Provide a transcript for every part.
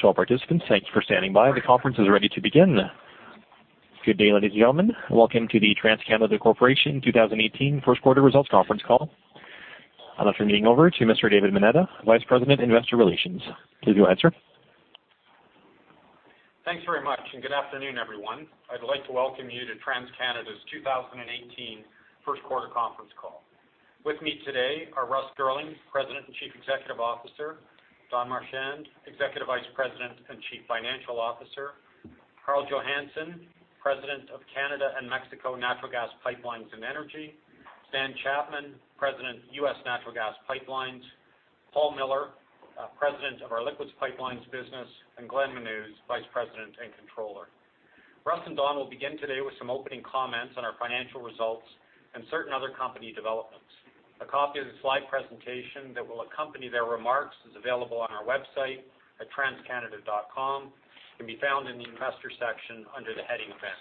To all participants, thank you for standing by. The conference is ready to begin. Good day, ladies and gentlemen. Welcome to the TransCanada Corporation 2018 first quarter results conference call. I'll turn the meeting over to Mr. David Mineta, Vice President, Investor Relations. Please go ahead, sir. Thanks very much. Good afternoon, everyone. I'd like to welcome you to TransCanada's 2018 first quarter conference call. With me today are Russ Girling, President and Chief Executive Officer; Don Marchand, Executive Vice President and Chief Financial Officer; Karl Johannson, President of Canada and Mexico Natural Gas Pipelines and Energy; Stan Chapman, President, U.S. Natural Gas Pipelines; Paul Miller, President of our Liquids Pipelines business; and Glenn Menuz, Vice President and Controller. Russ and Don will begin today with some opening comments on our financial results and certain other company developments. A copy of the slide presentation that will accompany their remarks is available on our website at transcanada.com. It can be found in the investor section under the heading Events.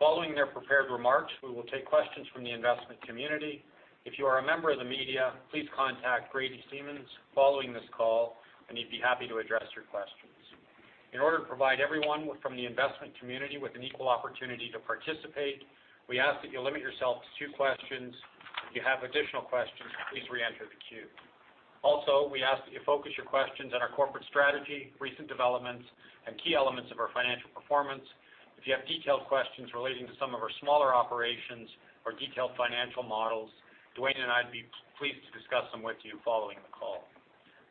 Following their prepared remarks, we will take questions from the investment community. If you are a member of the media, please contact Grady Stevens following this call and he'd be happy to address your questions. In order to provide everyone from the investment community with an equal opportunity to participate, we ask that you limit yourself to two questions. If you have additional questions, please re-enter the queue. Also, we ask that you focus your questions on our corporate strategy, recent developments, and key elements of our financial performance. If you have detailed questions relating to some of our smaller operations or detailed financial models, Duane and I'd be pleased to discuss them with you following the call.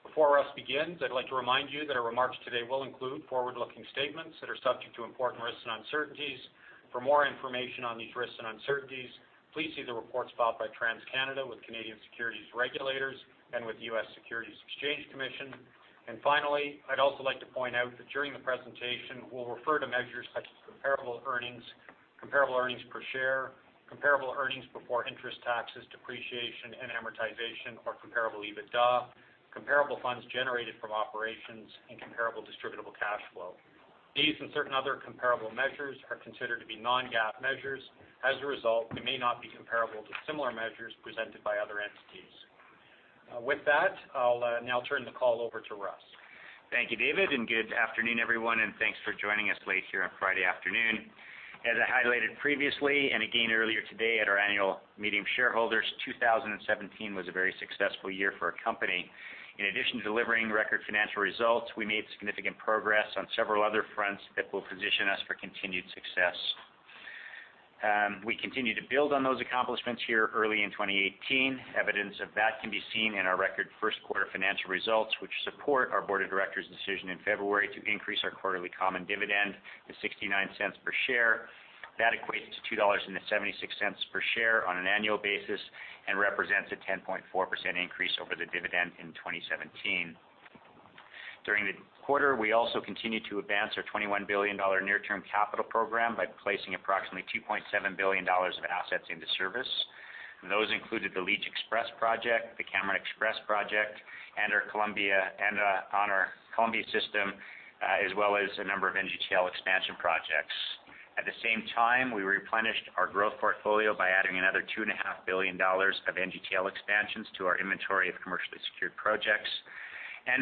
Before Russ begins, I'd like to remind you that our remarks today will include forward-looking statements that are subject to important risks and uncertainties. For more information on these risks and uncertainties, please see the reports filed by TransCanada with Canadian securities regulators and with the U.S. Securities and Exchange Commission. Finally, I'd also like to point out that during the presentation, we'll refer to measures such as comparable earnings, comparable earnings per share, comparable earnings before interest, taxes, depreciation, and amortization or comparable EBITDA, comparable funds generated from operations, and comparable distributable cash flow. These and certain other comparable measures are considered to be non-GAAP measures. As a result, they may not be comparable to similar measures presented by other entities. With that, I'll now turn the call over to Russ. Thank you, David, and good afternoon, everyone, and thanks for joining us late here on Friday afternoon. As I highlighted previously and again earlier today at our annual meeting of shareholders, 2017 was a very successful year for our company. In addition to delivering record financial results, we made significant progress on several other fronts that will position us for continued success. We continue to build on those accomplishments here early in 2018. Evidence of that can be seen in our record first quarter financial results, which support our board of directors' decision in February to increase our quarterly common dividend to 0.69 per share. That equates to 2.76 dollars per share on an annual basis and represents a 10.4% increase over the dividend in 2017. During the quarter, we also continued to advance our 21 billion dollar near-term capital program by placing approximately 2.7 billion dollars of assets into service. Those included the Leach XPress project, the Cameron Access project on our Columbia system, as well as a number of NGTL expansion projects. At the same time, we replenished our growth portfolio by adding another 2.5 billion dollars of NGTL expansions to our inventory of commercially secured projects.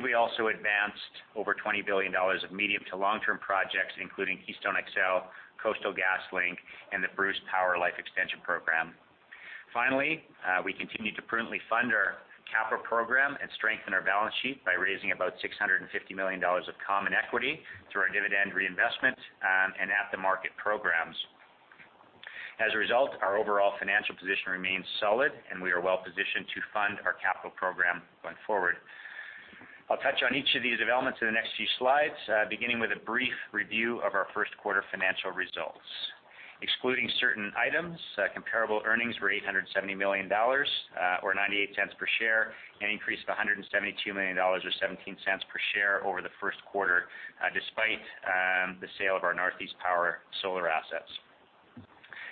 We also advanced over 20 billion dollars of medium to long-term projects, including Keystone XL, Coastal GasLink, and the Bruce Power life extension program. Finally, we continued to prudently fund our capital program and strengthen our balance sheet by raising about 650 million dollars of common equity through our dividend reinvestment and at-the-market programs. As a result, our overall financial position remains solid, and we are well-positioned to fund our capital program going forward. I'll touch on each of these developments in the next few slides, beginning with a brief review of our first quarter financial results. Excluding certain items, comparable earnings were 870 million dollars, or 0.98 per share, an increase of 172 million dollars or 0.17 per share over the first quarter, despite the sale of our Northeast Power solar assets.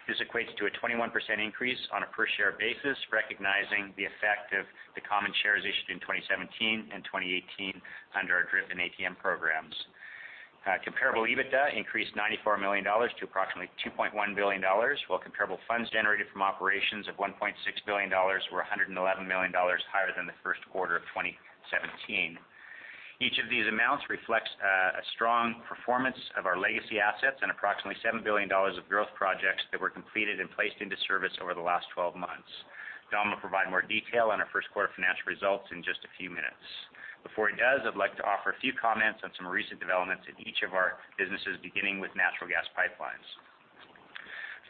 This equates to a 21% increase on a per-share basis, recognizing the effect of the common shares issued in 2017 and 2018 under our DRIP and ATM programs. Comparable EBITDA increased 94 million dollars to approximately 2.1 billion dollars, while comparable funds generated from operations of 1.6 billion dollars were 111 million dollars higher than the first quarter of 2017. Each of these amounts reflects a strong performance of our legacy assets and approximately 7 billion dollars of growth projects that were completed and placed into service over the last 12 months. Don will provide more detail on our first quarter financial results in just a few minutes. Before he does, I'd like to offer a few comments on some recent developments in each of our businesses, beginning with natural gas pipelines.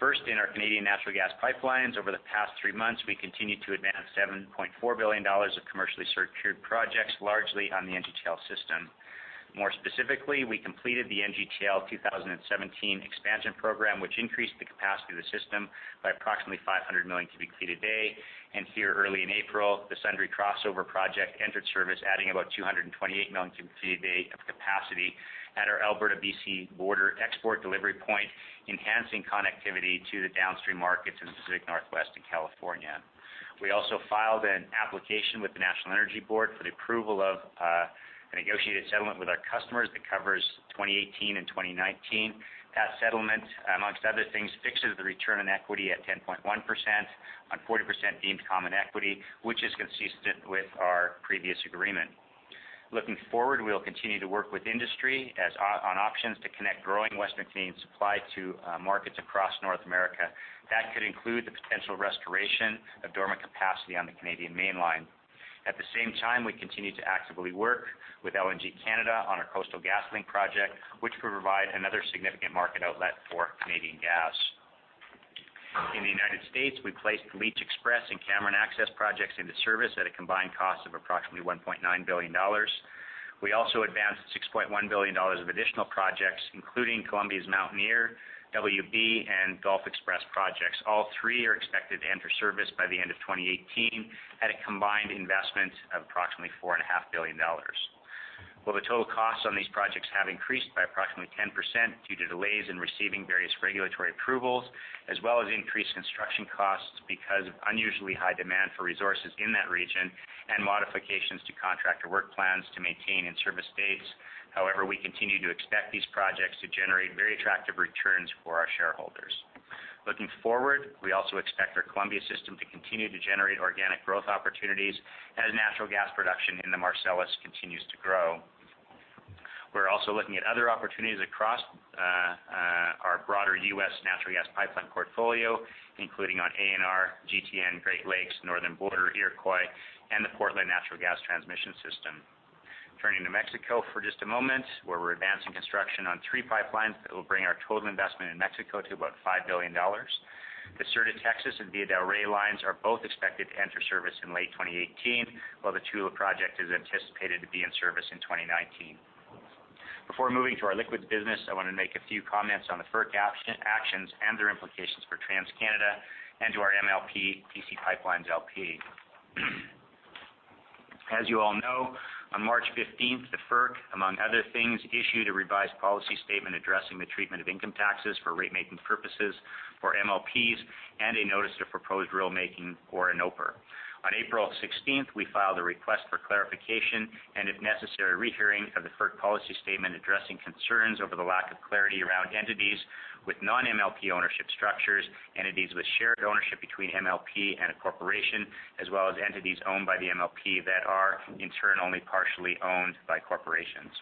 First, in our Canadian natural gas pipelines, over the past three months, we continued to advance 7.4 billion dollars of commercially secured projects, largely on the NGTL system. More specifically, we completed the NGTL 2017 Expansion Program, which increased the capacity of the system by approximately 500 million cubic feet a day. Here early in April, the Sundre Crossover Project entered service, adding about 228 million cubic feet a day of capacity at our Alberta-B.C. border export delivery point, enhancing connectivity to the downstream markets in the Pacific Northwest and California. We also filed an application with the National Energy Board for the approval of a negotiated settlement with our customers that covers 2018 and 2019. That settlement, amongst other things, fixes the return on equity at 10.1%. On 40% deemed common equity, which is consistent with our previous agreement. Looking forward, we'll continue to work with industry on options to connect growing West Montney supply to markets across North America. That could include the potential restoration of dormant capacity on the Canadian Mainline. At the same time, we continue to actively work with LNG Canada on our Coastal GasLink project, which will provide another significant market outlet for Canadian gas. In the United States, we placed Leach XPress and Cameron Access projects into service at a combined cost of approximately 1.9 billion dollars. We also advanced 6.1 billion dollars of additional projects, including Columbia's Mountaineer XPress, WB XPress, and Gulf XPress projects. All three are expected to enter service by the end of 2018 at a combined investment of approximately 4.5 billion dollars. While the total costs on these projects have increased by approximately 10% due to delays in receiving various regulatory approvals, as well as increased construction costs because of unusually high demand for resources in that region, and modifications to contractor work plans to maintain in-service dates. We continue to expect these projects to generate very attractive returns for our shareholders. Looking forward, we also expect our Columbia system to continue to generate organic growth opportunities as natural gas production in the Marcellus continues to grow. We're also looking at other opportunities across our broader U.S. natural gas pipeline portfolio, including on ANR, GTN, Great Lakes, Northern Border, Iroquois, and the Portland Natural Gas Transmission System. Turning to Mexico for just a moment, where we're advancing construction on three pipelines that will bring our total investment in Mexico to about 5 billion dollars. The Sur de Texas and Villa de Reyes lines are both expected to enter service in late 2018, while the Tula project is anticipated to be in service in 2019. Before moving to our liquids business, I want to make a few comments on the FERC actions and their implications for TransCanada and to our MLP, TC PipeLines, LP. As you all know, on March 15th, the FERC, amongst other things, issued a revised policy statement addressing the treatment of income taxes for rate-making purposes for MLPs, and a notice of proposed rule making or a NOPR. On April 16th, we filed a request for clarification, and if necessary, rehearing of the FERC policy statement addressing concerns over the lack of clarity around entities with non-MLP ownership structures, entities with shared ownership between MLP and a corporation, as well as entities owned by the MLP that are in turn only partially owned by corporations.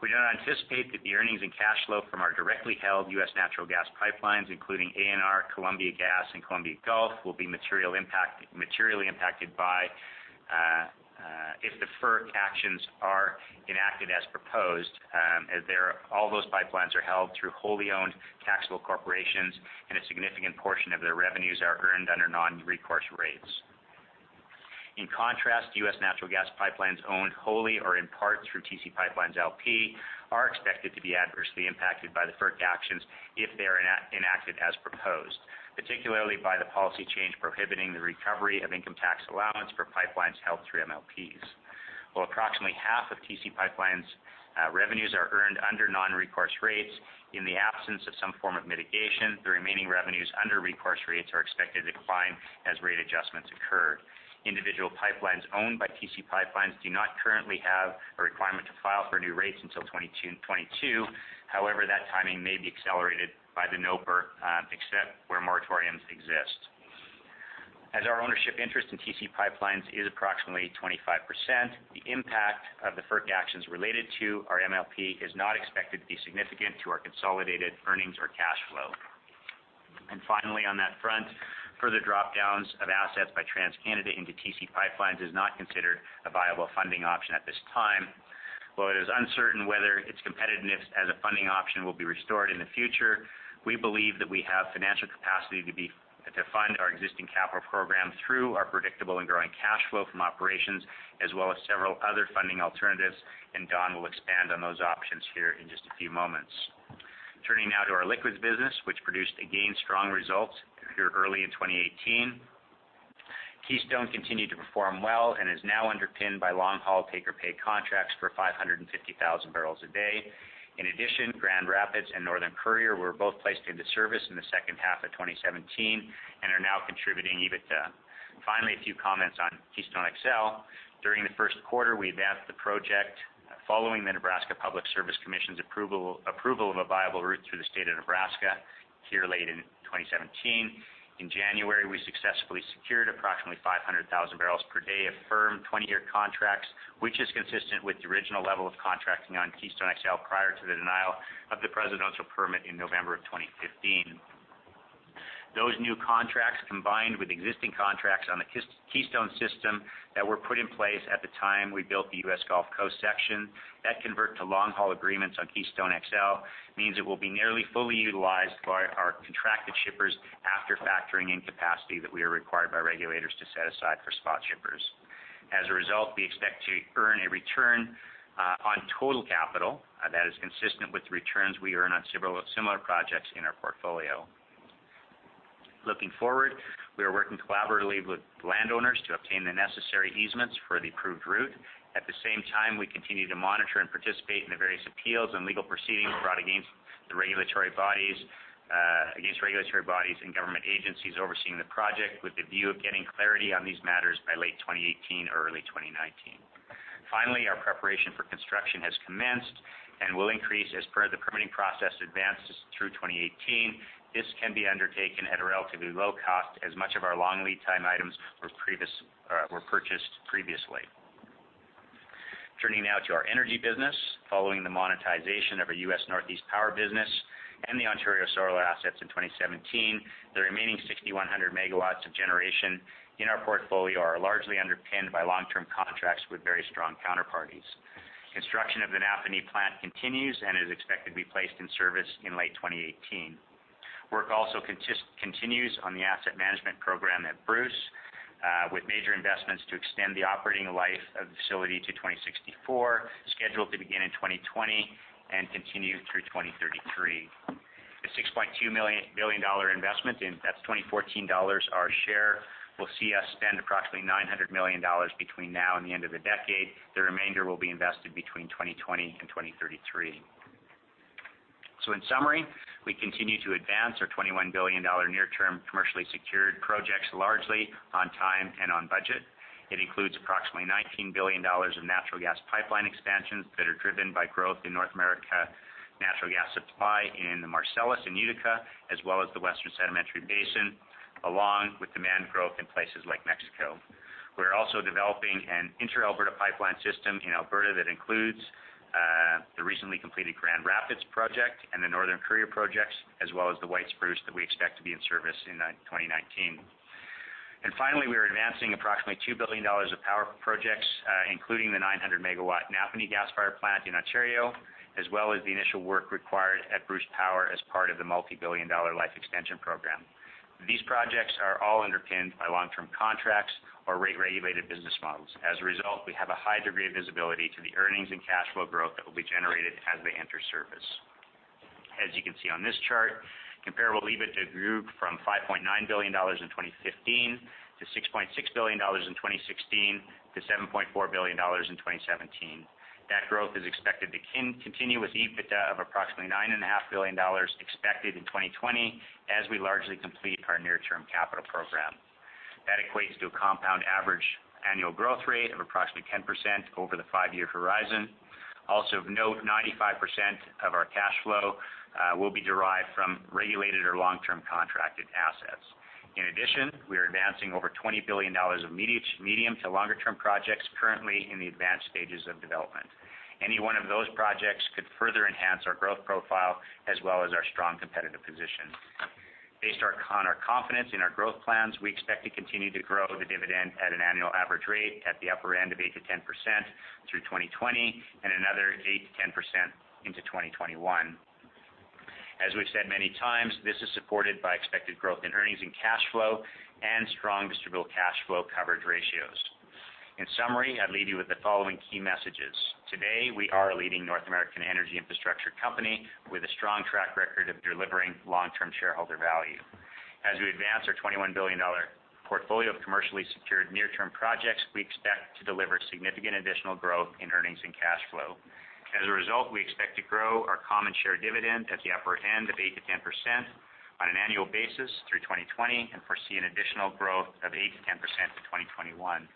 We do not anticipate that the earnings and cash flow from our directly held U.S. natural gas pipelines, including ANR, Columbia Gas, and Columbia Gulf, will be materially impacted if the FERC actions are enacted as proposed, as all those pipelines are held through wholly-owned taxable corporations and a significant portion of their revenues are earned under non-recourse rates. In contrast, U.S. natural gas pipelines owned wholly or in part through TC PipeLines, LP are expected to be adversely impacted by the FERC actions if they are enacted as proposed, particularly by the policy change prohibiting the recovery of income tax allowance for pipelines held through MLPs. While approximately half of TC PipeLines' revenues are earned under non-recourse rates, in the absence of some form of mitigation, the remaining revenues under recourse rates are expected to decline as rate adjustments occur. Individual pipelines owned by TC PipeLines do not currently have a requirement to file for new rates until 2022. However, that timing may be accelerated by the NOPR, except where moratoriums exist. As our ownership interest in TC PipeLines is approximately 25%, the impact of the FERC actions related to our MLP is not expected to be significant to our consolidated earnings or cash flow. Finally, on that front, further drop-downs of assets by TransCanada into TC PipeLines is not considered a viable funding option at this time. While it is uncertain whether its competitiveness as a funding option will be restored in the future, we believe that we have financial capacity to fund our existing capital program through our predictable and growing cash flow from operations, as well as several other funding alternatives, and Don will expand on those options here in just a few moments. Turning now to our liquids business, which produced again strong results here early in 2018. Keystone continued to perform well and is now underpinned by long-haul take-or-pay contracts for 550,000 barrels a day. In addition, Grand Rapids and Northern Courier were both placed into service in the second half of 2017 and are now contributing EBITDA. Finally, a few comments on Keystone XL. During the first quarter, we advanced the project following the Nebraska Public Service Commission's approval of a viable route through the state of Nebraska here late in 2017. In January, we successfully secured approximately 500,000 barrels per day of firm 20-year contracts, which is consistent with the original level of contracting on Keystone XL prior to the denial of the presidential permit in November of 2015. Those new contracts, combined with existing contracts on the Keystone system that were put in place at the time we built the U.S. Gulf Coast section, that convert to long-haul agreements on Keystone XL, means it will be nearly fully utilized by our contracted shippers after factoring in capacity that we are required by regulators to set aside for spot shippers. As a result, we expect to earn a return on total capital that is consistent with the returns we earn on several similar projects in our portfolio. Looking forward, we are working collaboratively with landowners to obtain the necessary easements for the approved route. At the same time, we continue to monitor and participate in the various appeals and legal proceedings brought against regulatory bodies and government agencies overseeing the project with the view of getting clarity on these matters by late 2018 or early 2019. Finally, our preparation for construction has commenced and will increase as per the permitting process advances through 2018. This can be undertaken at a relatively low cost, as much of our long lead-time items were purchased previously. Turning now to our energy business. Following the monetization of our U.S. Northeast power business and the Ontario solar assets in 2017, the remaining 6,100 megawatts of generation in our portfolio are largely underpinned by long-term contracts with very strong counterparties. Construction of the Napanee plant continues and is expected to be placed in service in late 2018. Work also continues on the asset management program at Bruce, with major investments to extend the operating life of the facility to 2064, scheduled to begin in 2020 and continue through 2033. The 6.2 billion dollar investment in, that is 2014 dollars our share, will see us spend approximately 900 million dollars between now and the end of the decade. The remainder will be invested between 2020 and 2033. In summary, we continue to advance our 21 billion dollar near-term commercially secured projects largely on time and on budget. It includes approximately 19 billion dollars of natural gas pipeline expansions that are driven by growth in North America, natural gas supply in the Marcellus and Utica, as well as the Western Canadian Sedimentary Basin, along with demand growth in places like Mexico. We are also developing an inter-Alberta pipeline system in Alberta that includes the recently completed Grand Rapids project and the Northern Courier projects, as well as the White Spruce that we expect to be in service in 2019. Finally, we are advancing approximately 2 billion dollars of power projects, including the 900-megawatt Napanee gas-fired plant in Ontario, as well as the initial work required at Bruce Power as part of the multi-billion-dollar life extension program. These projects are all underpinned by long-term contracts or rate-regulated business models. As a result, we have a high degree of visibility to the earnings and cash flow growth that will be generated as they enter service. As you can see on this chart, comparable EBITDA grew from 5.9 billion dollars in 2015 to 6.6 billion dollars in 2016, to 7.4 billion dollars in 2017. That growth is expected to continue with EBITDA of approximately 9.5 billion dollars expected in 2020 as we largely complete our near-term capital program. That equates to a compound average annual growth rate of approximately 10% over the five-year horizon. Also of note, 95% of our cash flow will be derived from regulated or long-term contracted assets. In addition, we are advancing over 20 billion dollars of medium- to longer-term projects currently in the advanced stages of development. Any one of those projects could further enhance our growth profile as well as our strong competitive position. Based on our confidence in our growth plans, we expect to continue to grow the dividend at an annual average rate at the upper end of 8%-10% through 2020, and another 8%-10% into 2021. As we've said many times, this is supported by expected growth in earnings and cash flow and strong distributable cash flow coverage ratios. In summary, I would leave you with the following key messages. Today, we are a leading North American energy infrastructure company with a strong track record of delivering long-term shareholder value. As we advance our 21 billion dollar portfolio of commercially secured near-term projects, we expect to deliver significant additional growth in earnings and cash flow. As a result, we expect to grow our common share dividend at the upper end of 8%-10% on an annual basis through 2020 and foresee an additional growth of 8%-10% to 2021.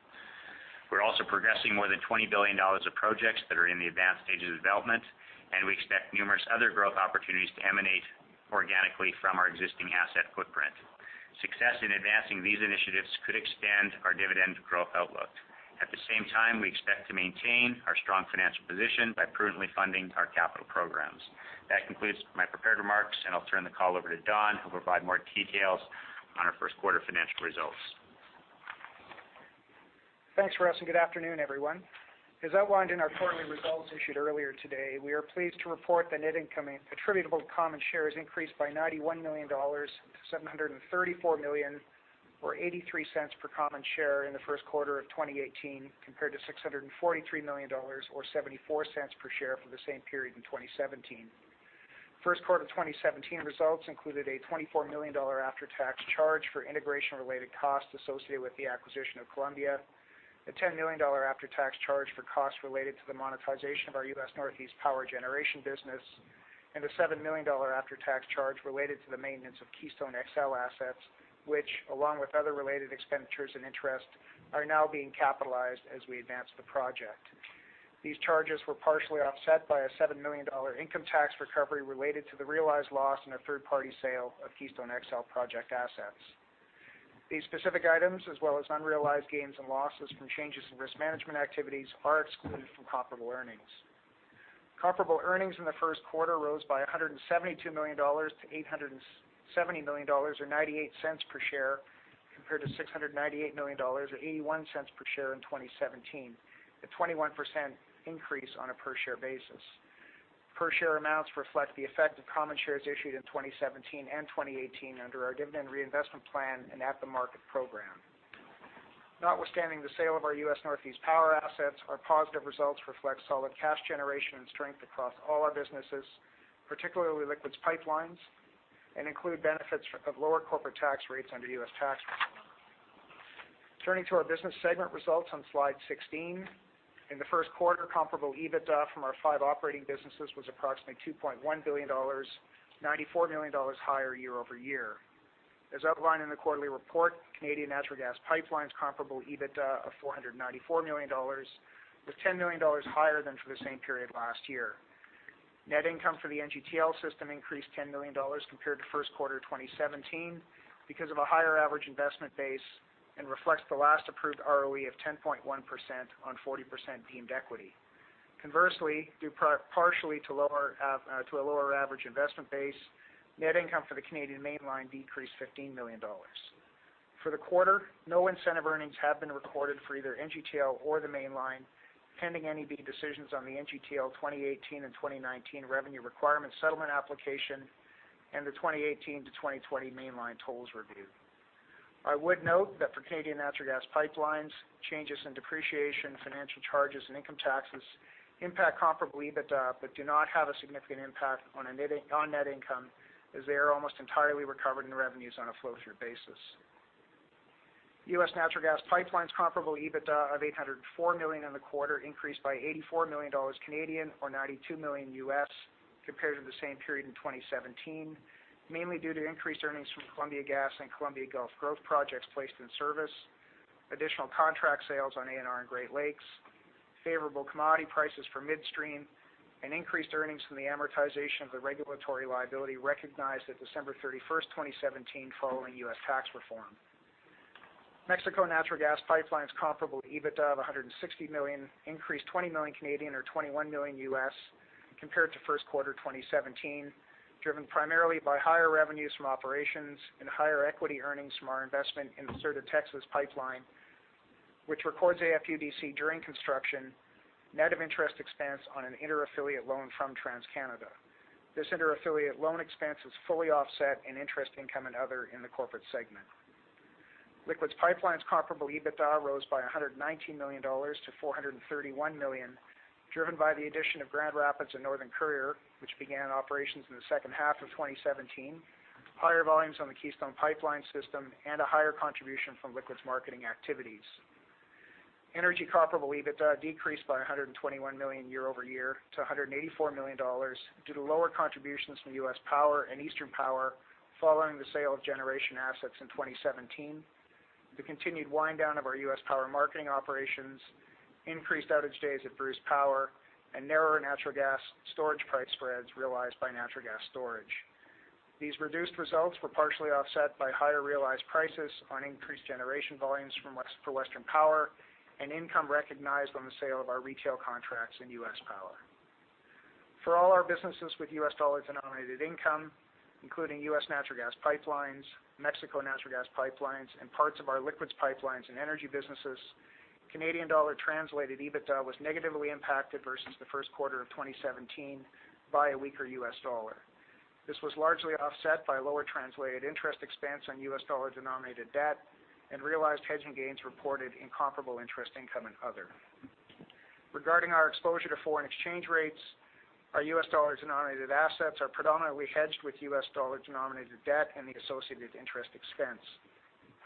We're also progressing more than 20 billion dollars of projects that are in the advanced stages of development, and we expect numerous other growth opportunities to emanate organically from our existing asset footprint. Success in advancing these initiatives could extend our dividend growth outlook. At the same time, we expect to maintain our strong financial position by prudently funding our capital programs. That concludes my prepared remarks, and I'll turn the call over to Don, who'll provide more details on our first quarter financial results. Thanks, Russ, good afternoon, everyone. As outlined in our quarterly results issued earlier today, we are pleased to report that net income attributable to common share has increased by 91 million dollars to 734 million, or 0.83 per common share in the first quarter of 2018, compared to 643 million dollars or 0.74 per share for the same period in 2017. First quarter 2017 results included a 24 million dollar after-tax charge for integration-related costs associated with the acquisition of Columbia, a 10 million dollar after-tax charge for costs related to the monetization of our U.S. Northeast power generation business, and a 7 million dollar after-tax charge related to the maintenance of Keystone XL assets, which, along with other related expenditures and interest, are now being capitalized as we advance the project. These charges were partially offset by a 7 million dollar income tax recovery related to the realized loss in a third-party sale of Keystone XL project assets. These specific items, as well as unrealized gains and losses from changes in risk management activities, are excluded from comparable earnings. Comparable earnings in the first quarter rose by 172 million dollars to 870 million dollars, or 0.98 per share, compared to 698 million dollars or 0.81 per share in 2017, a 21% increase on a per-share basis. Per-share amounts reflect the effect of common shares issued in 2017 and 2018 under our dividend reinvestment plan and at-the-market program. Notwithstanding the sale of our U.S. Northeast power assets, our positive results reflect solid cash generation and strength across all our businesses, particularly liquids pipelines, and include benefits of lower corporate tax rates under U.S. tax reform. Turning to our business segment results on slide 16. In the first quarter, comparable EBITDA from our five operating businesses was approximately 2.1 billion dollars, 94 million dollars higher year-over-year. As outlined in the quarterly report, Canadian Natural Gas Pipelines comparable EBITDA of 494 million dollars was 10 million dollars higher than for the same period last year. Net income for the NGTL System increased 10 million dollars compared to first quarter 2017 because of a higher average investment base and reflects the last approved ROE of 10.1% on 40% deemed equity. Conversely, due partially to a lower average investment base, net income for the Canadian Mainline decreased 15 million dollars. For the quarter, no incentive earnings have been recorded for either NGTL or the Mainline, pending NEB decisions on the NGTL 2018 and 2019 revenue requirement settlement application and the 2018-2020 Mainline tolls review. I would note that for Canadian natural gas pipelines, changes in depreciation, financial charges, and income taxes impact comparable EBITDA, but do not have a significant impact on net income, as they are almost entirely recovered in revenues on a flow-through basis. U.S. natural gas pipelines comparable EBITDA of 804 million in the quarter increased by 84 million Canadian dollars or $92 million compared to the same period in 2017, mainly due to increased earnings from Columbia Gas and Columbia Gulf growth projects placed in service, additional contract sales on ANR and Great Lakes, favorable commodity prices for midstream, and increased earnings from the amortization of the regulatory liability recognized at December 31, 2017, following U.S. tax reform. Mexico natural gas pipelines comparable EBITDA of 160 million increased 20 million or $21 million compared to first quarter 2017, driven primarily by higher revenues from operations and higher equity earnings from our investment in the Sur de Texas-Tuxpan pipeline, which records AFUDC during construction, net of interest expense on an inter-affiliate loan from TransCanada. This inter-affiliate loan expense is fully offset in interest income and other in the corporate segment. Liquids pipelines comparable EBITDA rose by 119 million dollars to 431 million, driven by the addition of Grand Rapids and Northern Courier, which began operations in the second half of 2017, higher volumes on the Keystone Pipeline System, and a higher contribution from liquids marketing activities. Energy comparable EBITDA decreased by 121 million year-over-year to 184 million dollars due to lower contributions from U.S. Power and Eastern Power following the sale of generation assets in 2017, the continued wind-down of our U.S. Power marketing operations, increased outage days at Bruce Power, and narrower natural gas storage price spreads realized by natural gas storage. These reduced results were partially offset by higher realized prices on increased generation volumes for Western Power and income recognized on the sale of our retail contracts in U.S. Power. For all our businesses with U.S. dollar-denominated income, including U.S. natural gas pipelines, Mexico natural gas pipelines, and parts of our liquids pipelines and energy businesses, Canadian dollar-translated EBITDA was negatively impacted versus the first quarter of 2017 by a weaker U.S. dollar. This was largely offset by lower translated interest expense on U.S. dollar-denominated debt and realized hedging gains reported in comparable interest income and other. Regarding our exposure to foreign exchange rates, our U.S. dollar-denominated assets are predominantly hedged with U.S. dollar-denominated debt and the associated interest expense.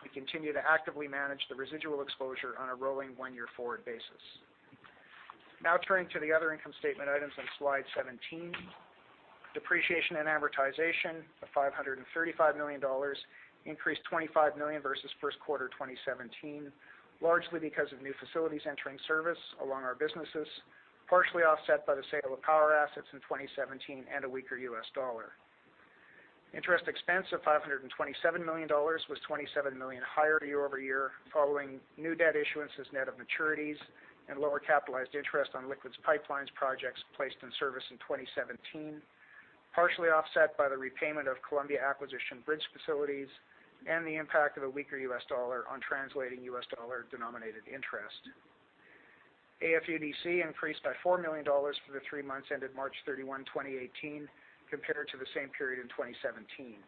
We continue to actively manage the residual exposure on a rolling one-year forward basis. Turning to the other income statement items on slide 17. Depreciation and amortization of 535 million dollars increased 25 million versus first quarter 2017, largely because of new facilities entering service along our businesses, partially offset by the sale of power assets in 2017 and a weaker U.S. dollar. Interest expense of 527 million dollars was 27 million higher year-over-year following new debt issuances net of maturities and lower capitalized interest on liquids pipelines projects placed in service in 2017, partially offset by the repayment of Columbia acquisition bridge facilities and the impact of a weaker U.S. dollar on translating U.S. dollar-denominated interest. AFUDC increased by 4 million dollars for the three months ended March 31, 2018, compared to the same period in 2017.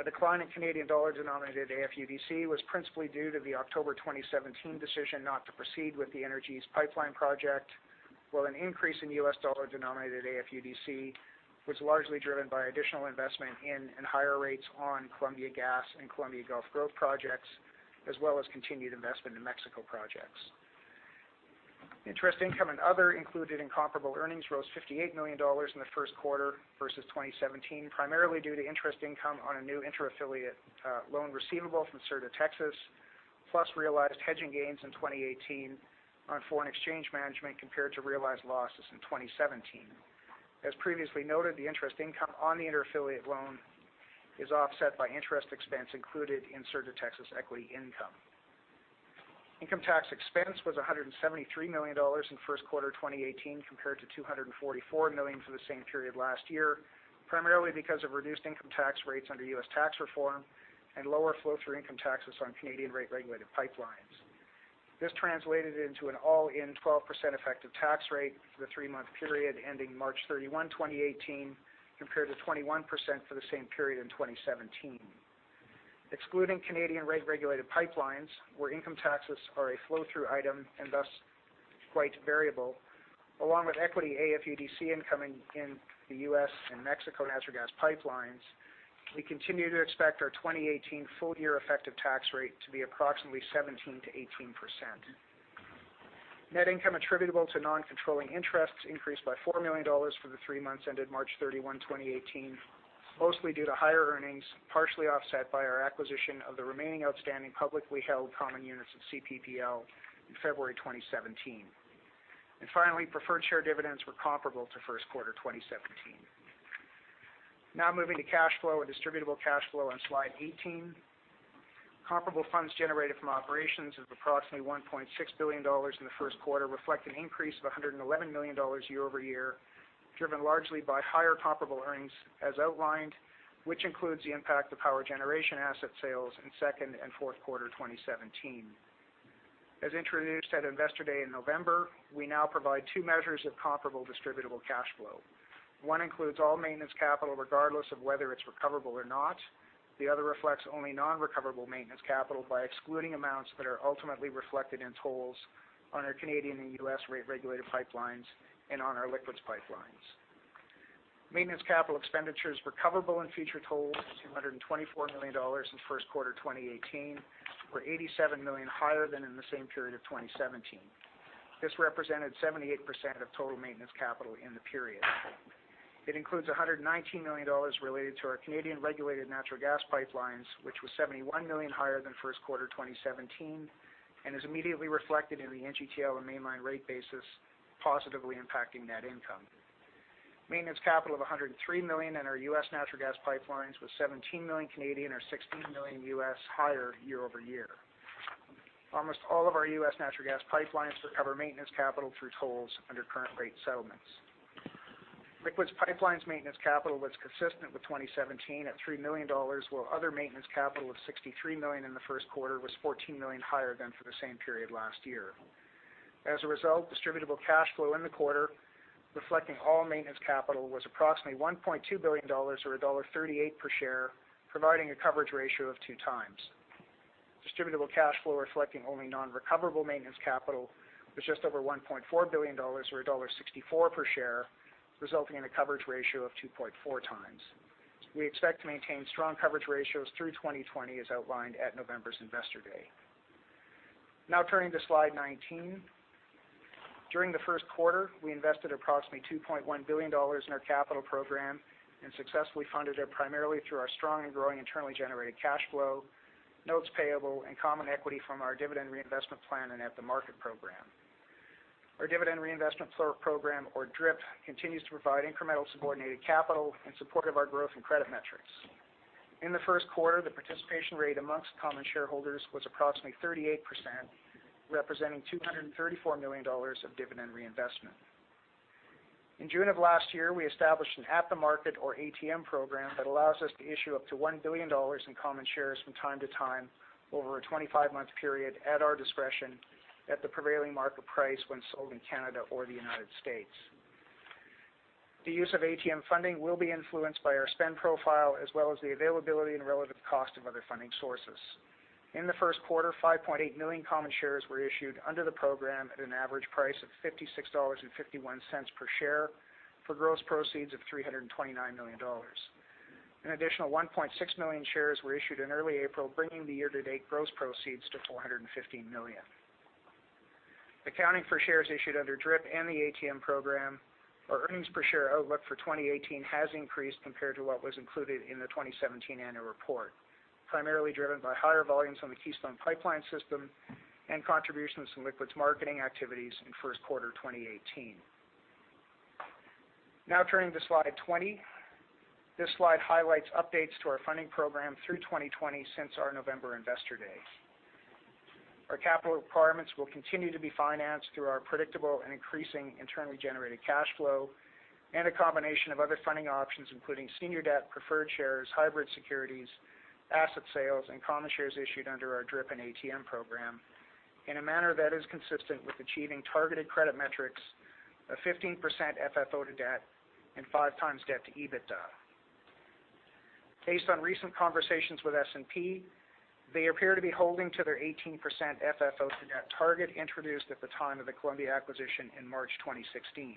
A decline in Canadian dollar-denominated AFUDC was principally due to the October 2017 decision not to proceed with the Energy East pipeline project, while an increase in U.S. dollar-denominated AFUDC was largely driven by additional investment in and higher rates on Columbia Gas and Columbia Gulf growth projects, as well as continued investment in Mexico projects. Interest income and other included in comparable earnings rose 58 million dollars in the first quarter versus 2017, primarily due to interest income on a new inter-affiliate loan receivable from Sur de Texas-Tuxpan, plus realized hedging gains in 2018 on foreign exchange management compared to realized losses in 2017. As previously noted, the interest income on the inter-affiliate loan is offset by interest expense included in Sur de Texas-Tuxpan equity income. Income tax expense was 173 million dollars in first quarter 2018 compared to 244 million for the same period last year, primarily because of reduced income tax rates under U.S. tax reform and lower flow-through income taxes on Canadian rate-regulated pipelines. This translated into an all-in 12% effective tax rate for the three-month period ending March 31, 2018, compared to 21% for the same period in 2017. Excluding Canadian rate-regulated pipelines, where income taxes are a flow-through item and thus quite variable, along with equity AFUDC incoming in the U.S. and Mexico natural gas pipelines, we continue to expect our 2018 full-year effective tax rate to be approximately 17%-18%. Net income attributable to non-controlling interests increased by 4 million dollars for the three months ended March 31, 2018, mostly due to higher earnings, partially offset by our acquisition of the remaining outstanding publicly held common units of CPPL in February 2017. Finally, preferred share dividends were comparable to first quarter 2017. Now moving to cash flow and distributable cash flow on slide 18. Comparable funds generated from operations of approximately 1.6 billion dollars in the first quarter reflect an increase of 111 million dollars year-over-year, driven largely by higher comparable earnings as outlined, which includes the impact of power generation asset sales in second and fourth quarter 2017. As introduced at Investor Day in November, we now provide two measures of comparable distributable cash flow. One includes all maintenance capital, regardless of whether it's recoverable or not. The other reflects only non-recoverable maintenance capital by excluding amounts that are ultimately reflected in tolls on our Canadian and U.S. rate regulated pipelines and on our liquids pipelines. Maintenance capital expenditures recoverable in future tolls, 224 million dollars in first quarter 2018, were 87 million higher than in the same period of 2017. This represented 78% of total maintenance capital in the period. It includes 119 million dollars related to our Canadian regulated natural gas pipelines, which was 71 million higher than first quarter 2017, and is immediately reflected in the NGTL and Mainline rate basis, positively impacting net income. Maintenance capital of 103 million in our U.S. natural gas pipelines, was 17 million Canadian dollars, or 16 million US dollars higher year-over-year. Almost all of our U.S. natural gas pipelines recover maintenance capital through tolls under current rate settlements. Liquids pipelines maintenance capital was consistent with 2017 at 3 million dollars, while other maintenance capital of 63 million in the first quarter was 14 million higher than for the same period last year. As a result, distributable cash flow in the quarter reflecting all maintenance capital was approximately 1.2 billion dollars, or dollar 1.38 per share, providing a coverage ratio of 2 times. Distributable cash flow reflecting only non-recoverable maintenance capital was just over 1.4 billion dollars, or dollar 1.64 per share, resulting in a coverage ratio of 2.4 times. We expect to maintain strong coverage ratios through 2020, as outlined at November's Investor Day. Now turning to slide 19. During the first quarter, we invested approximately 2.1 billion dollars in our capital program and successfully funded it primarily through our strong and growing internally generated cash flow, notes payable, and common equity from our dividend reinvestment plan and at-the-market program. Our dividend reinvestment program, or DRIP, continues to provide incremental subordinated capital in support of our growth and credit metrics. In the first quarter, the participation rate amongst common shareholders was approximately 38%, representing 234 million dollars of dividend reinvestment. In June of last year, we established an at-the-market, or ATM program, that allows us to issue up to 1 billion dollars in common shares from time to time over a 25-month period at our discretion, at the prevailing market price when sold in Canada or the U.S. The use of ATM funding will be influenced by our spend profile as well as the availability and relative cost of other funding sources. In the first quarter, 5.8 million common shares were issued under the program at an average price of 56.51 dollars per share for gross proceeds of 329 million dollars. An additional 1.6 million shares were issued in early April, bringing the year-to-date gross proceeds to 415 million. Accounting for shares issued under DRIP and the ATM program, our earnings per share outlook for 2018 has increased compared to what was included in the 2017 annual report, primarily driven by higher volumes on the Keystone Pipeline System and contributions from liquids marketing activities in first quarter 2018. Now turning to slide 20. This slide highlights updates to our funding program through 2020 since our November Investor Day. Our capital requirements will continue to be financed through our predictable and increasing internally generated cash flow, and a combination of other funding options, including senior debt, preferred shares, hybrid securities, asset sales, and common shares issued under our DRIP and ATM program, in a manner that is consistent with achieving targeted credit metrics of 15% FFO to debt and 5 times debt to EBITDA. Based on recent conversations with S&P, they appear to be holding to their 18% FFO to debt target introduced at the time of the Columbia acquisition in March 2016.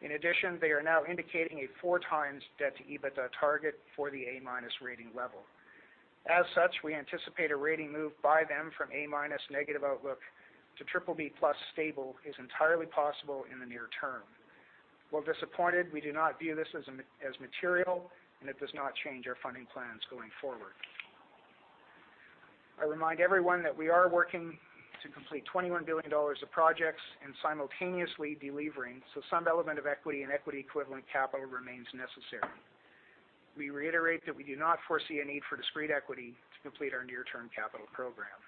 In addition, they are now indicating a four times debt-to-EBITDA target for the A-minus rating level. As such, we anticipate a rating move by them from A-minus negative outlook to triple B plus stable is entirely possible in the near term. While disappointed, we do not view this as material, and it does not change our funding plans going forward. I remind everyone that we are working to complete 21 billion dollars of projects and simultaneously delevering, some element of equity and equity equivalent capital remains necessary. We reiterate that we do not foresee a need for discrete equity to complete our near-term capital program.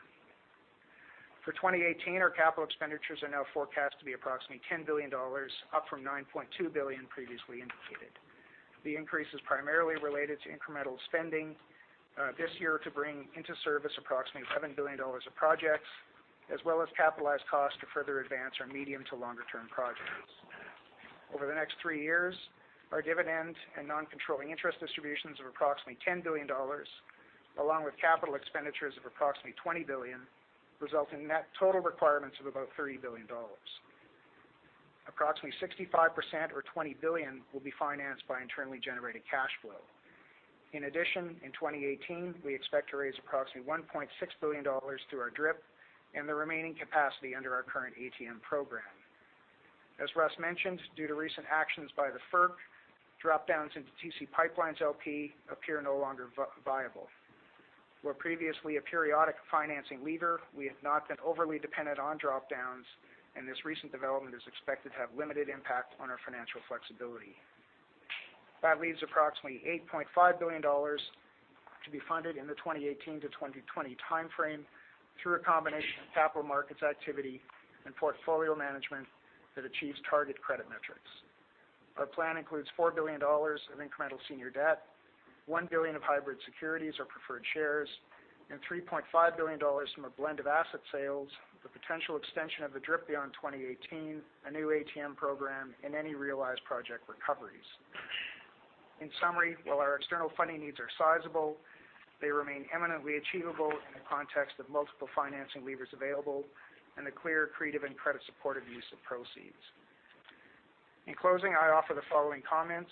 For 2018, our capital expenditures are now forecast to be approximately 10 billion dollars, up from 9.2 billion previously indicated. The increase is primarily related to incremental spending this year to bring into service approximately 7 billion dollars of projects, as well as capitalized cost to further advance our medium to longer-term projects. Over the next three years, our dividend and non-controlling interest distributions of approximately 10 billion dollars, along with capital expenditures of approximately 20 billion, result in net total requirements of about 30 billion dollars. Approximately 65% or 20 billion will be financed by internally generated cash flow. In addition, in 2018, we expect to raise approximately 1.6 billion dollars through our DRIP and the remaining capacity under our current ATM program. As Russ mentioned, due to recent actions by the FERC, drop-downs into TC PipeLines, LP appear no longer viable. Where previously a periodic financing lever, we have not been overly dependent on drop-downs, and this recent development is expected to have limited impact on our financial flexibility. That leaves approximately 8.5 billion dollars to be funded in the 2018-2020 timeframe through a combination of capital markets activity and portfolio management that achieves target credit metrics. Our plan includes 4 billion dollars of incremental senior debt, 1 billion of hybrid securities or preferred shares, and 3.5 billion dollars from a blend of asset sales, the potential extension of the DRIP beyond 2018, a new ATM program, and any realized project recoveries. In summary, while our external funding needs are sizable, they remain imminently achievable in the context of multiple financing levers available and the clear creative and credit supportive use of proceeds. In closing, I offer the following comments.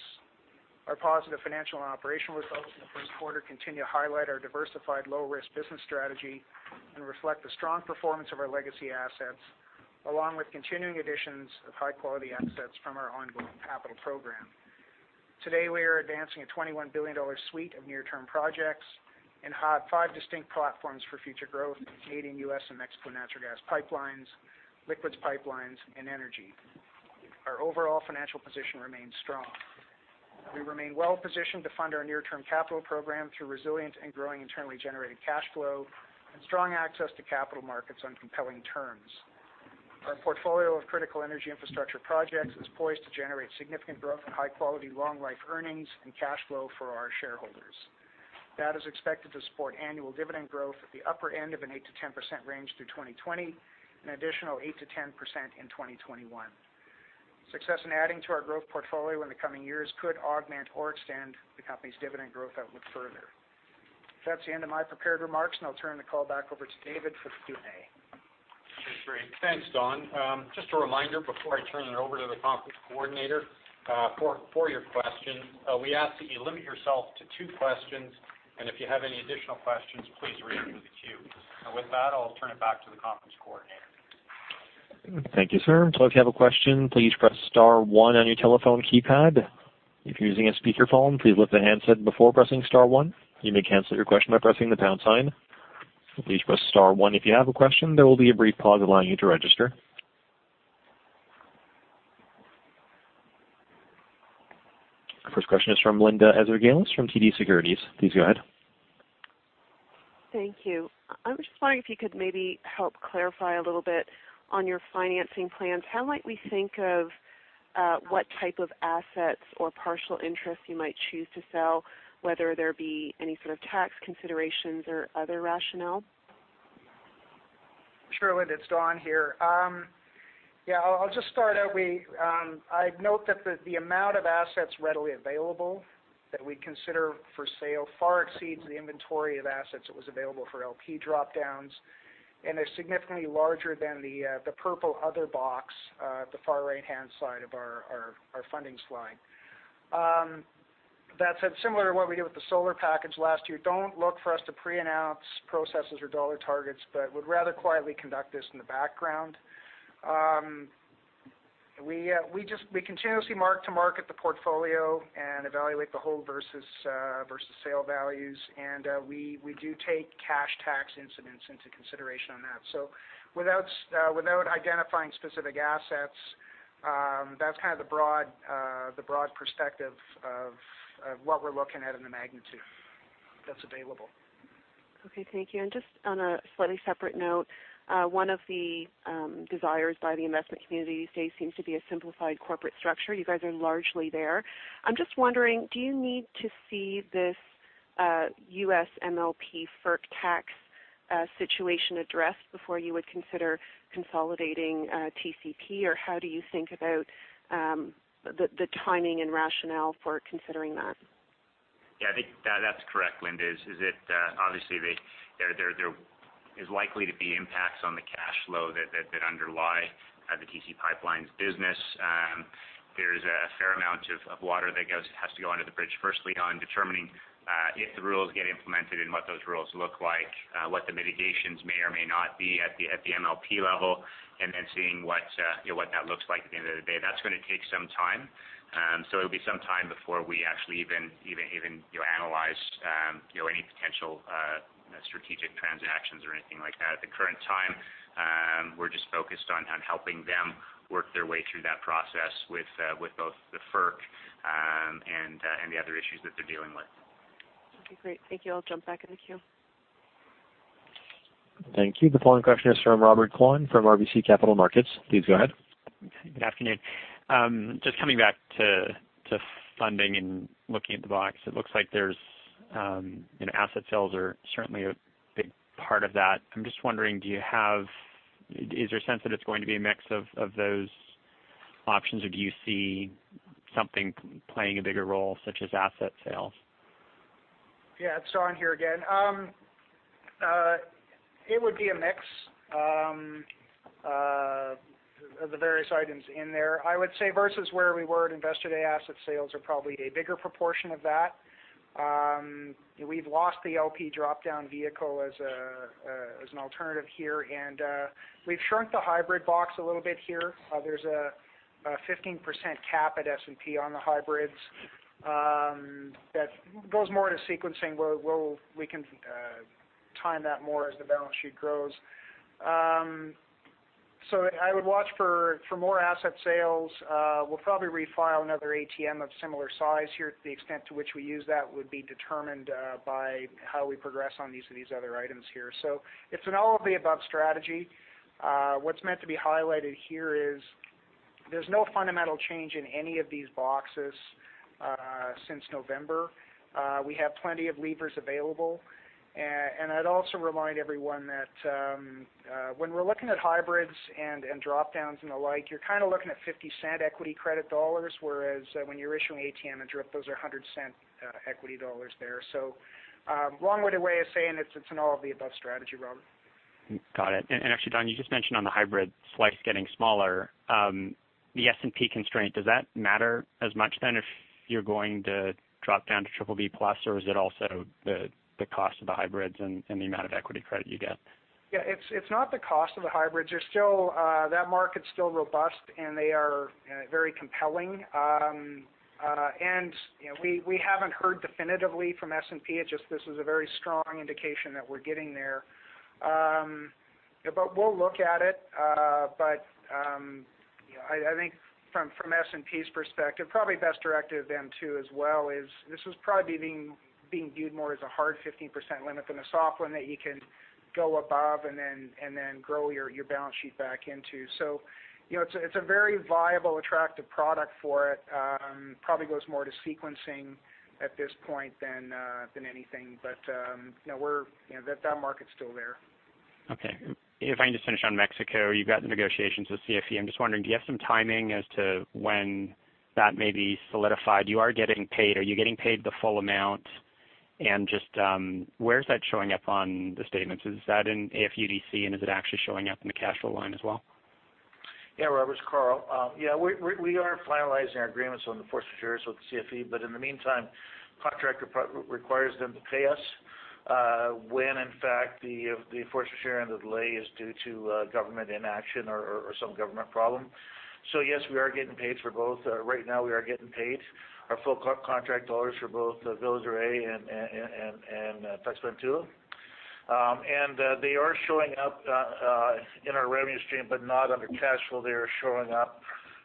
Our positive financial and operational results in the first quarter continue to highlight our diversified low-risk business strategy and reflect the strong performance of our legacy assets, along with continuing additions of high-quality assets from our ongoing capital program. Today, we are advancing a 21 billion dollar suite of near-term projects and have five distinct platforms for future growth: Canadian, U.S., and Mexico natural gas pipelines, liquids pipelines, and energy. Our overall financial position remains strong. We remain well-positioned to fund our near-term capital program through resilient and growing internally generated cash flow and strong access to capital markets on compelling terms. Our portfolio of critical energy infrastructure projects is poised to generate significant growth in high-quality, long-life earnings and cash flow for our shareholders. That is expected to support annual dividend growth at the upper end of an 8%-10% range through 2020, an additional 8%-10% in 2021. Success in adding to our growth portfolio in the coming years could augment or extend the company's dividend growth outlook further. That's the end of my prepared remarks, and I'll turn the call back over to David for the Q&A. Okay, great. Thanks, Don. Just a reminder before I turn it over to the conference coordinator for your questions, we ask that you limit yourself to two questions, and if you have any additional questions, please reenter the queue. With that, I'll turn it back to the conference coordinator. Thank you, sir. If you have a question, please press *1 on your telephone keypad. If you're using a speakerphone, please lift the handset before pressing *1. You may cancel your question by pressing the # sign. Please press *1 if you have a question, there will be a brief pause allowing you to register. First question is from Linda Ezergailis from TD Securities. Please go ahead. Thank you. I'm just wondering if you could maybe help clarify a little bit on your financing plans. How might we think of what type of assets or partial interests you might choose to sell, whether there be any sort of tax considerations or other rationale? Sure, Linda. It's Don here. Yeah, I'll just start out. I'd note that the amount of assets readily available that we consider for sale far exceeds the inventory of assets that was available for LP drop-downs, and they're significantly larger than the purple other box at the far right-hand side of our fundings slide. That said, similar to what we did with the solar package last year, don't look for us to pre-announce processes or CAD dollar targets, would rather quietly conduct this in the background. We continuously mark to market the portfolio and evaluate the whole versus sale values, and we do take cash tax incidents into consideration on that. Without identifying specific assets, that's the broad perspective of what we're looking at in the magnitude that's available. Okay, thank you. Just on a slightly separate note, one of the desires by the investment community these days seems to be a simplified corporate structure. You guys are largely there. I'm just wondering, do you need to see this U.S. MLP FERC tax situation addressed before you would consider consolidating TCP? Or how do you think about the timing and rationale for considering that? Yeah, I think that's correct, Linda, is it obviously there is likely to be impacts on the cash flow that underlie the TC PipeLines' business. There's a fair amount of water that has to go under the bridge, firstly, on determining if the rules get implemented and what those rules look like, what the mitigations may or may not be at the MLP level, and then seeing what that looks like at the end of the day. That's going to take some time. It'll be some time before we actually even analyze any potential strategic transactions or anything like that. At the current time, we're just focused on helping them work their way through that process with both the FERC, and the other issues that they're dealing with. Okay, great. Thank you. I'll jump back in the queue. Thank you. The following question is from Robert Kwan from RBC Capital Markets. Please go ahead. Good afternoon. Coming back to funding and looking at the box, it looks like asset sales are certainly a big part of that. I'm just wondering, is there a sense that it's going to be a mix of those options, or do you see something playing a bigger role, such as asset sales? It's Don here again. It would be a mix of the various items in there. I would say versus where we were at Investor Day, asset sales are probably a bigger proportion of that. We've lost the LP drop-down vehicle as an alternative here, and we've shrunk the hybrid box a little bit here. There's a 15% cap at S&P on the hybrids. That goes more into sequencing, where we can time that more as the balance sheet grows. I would watch for more asset sales. We'll probably refile another ATM of similar size here. The extent to which we use that would be determined by how we progress on these other items here. It's an all of the above strategy. What's meant to be highlighted here is there's no fundamental change in any of these boxes since November. We have plenty of levers available. I'd also remind everyone that when we're looking at hybrids and drop-downs and the like, you're looking at 0.50 equity credit dollars, whereas when you're issuing ATM and DRIP, those are 1.00 equity dollars there. Long-winded way of saying it's an all of the above strategy, Robert. Actually, Don, you just mentioned on the hybrid slice getting smaller. The S&P constraint, does that matter as much then if you're going to drop down to BBB+? Is it also the cost of the hybrids and the amount of equity credit you get? Yeah. It's not the cost of the hybrids. That market's still robust, and they are very compelling. We haven't heard definitively from S&P. It's just this is a very strong indication that we're getting there. We'll look at it. I think from S&P's perspective, probably best directive then, too, as well is this was probably being viewed more as a hard 15% limit than a soft one that you can go above and then grow your balance sheet back into. It's a very viable, attractive product for it. Probably goes more to sequencing at this point than anything. That market's still there. Okay. If I can just finish on Mexico, you've got the negotiations with CFE. I'm just wondering, do you have some timing as to when that may be solidified? You are getting paid. Are you getting paid the full amount? Just where is that showing up on the statements? Is that in AFUDC, and is it actually showing up in the cash flow line as well? Yeah, Robert, it's Karl. Yeah, we are finalizing our agreements on the force majeure with CFE. In the meantime, contract requires them to pay us when in fact the force majeure and the delay is due to government inaction or some government problem. Yes, we are getting paid for both. Right now, we are getting paid our full contract dollars for both Villa de Reyes and Tuxpan-Tula. They are showing up in our revenue stream, but not under cash flow. They are showing up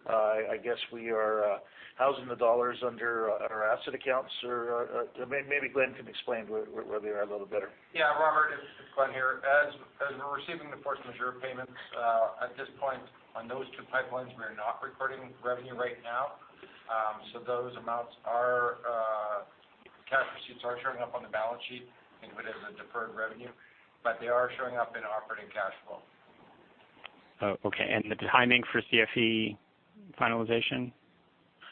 I guess we are housing the dollars under our asset accounts. Maybe Glenn can explain where they are a little better. Yeah, Robert, it's Glenn here. As we're receiving the force majeure payments, at this point on those two pipelines, we are not recording revenue right now. Cash receipts are showing up on the balance sheet in whatever the deferred revenue, but they are showing up in operating cash flow. Okay. The timing for CFE finalization?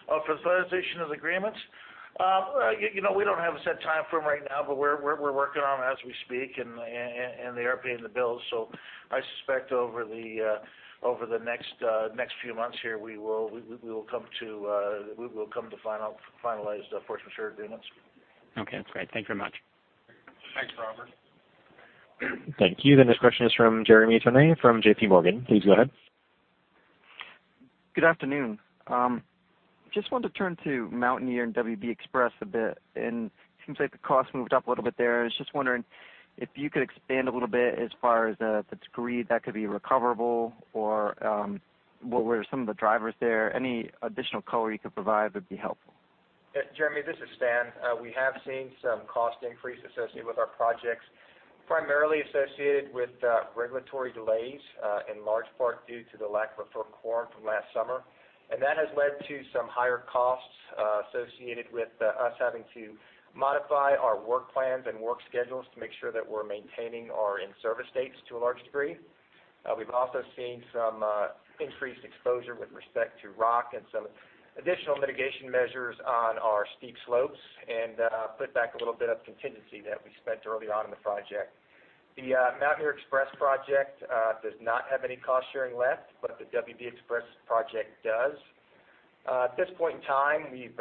For finalization of the agreements? We don't have a set timeframe right now, but we're working on them as we speak, and they are paying the bills. I suspect over the next few months here, we will come to finalized force majeure agreements. Okay, that's great. Thank you very much. Thanks, Robert. Thank you. The next question is from Jeremy Tonet from J.P. Morgan. Please go ahead. Good afternoon. Just wanted to turn to Mountaineer XPress and WB XPress a bit. It seems like the cost moved up a little bit there. I was just wondering if you could expand a little bit as far as the degree that could be recoverable or what were some of the drivers there. Any additional color you could provide would be helpful. Jeremy, this is Stan. We have seen some cost increase associated with our projects, primarily associated with regulatory delays in large part due to the lack of FERC quorum from last summer. That has led to some higher costs associated with us having to modify our work plans and work schedules to make sure that we're maintaining our in-service dates to a large degree. We've also seen some increased exposure with respect to rock and some additional mitigation measures on our steep slopes and put back a little bit of contingency that we spent early on in the project. The Mountaineer XPress project does not have any cost sharing left, but the WB XPress project does. At this point in time, we've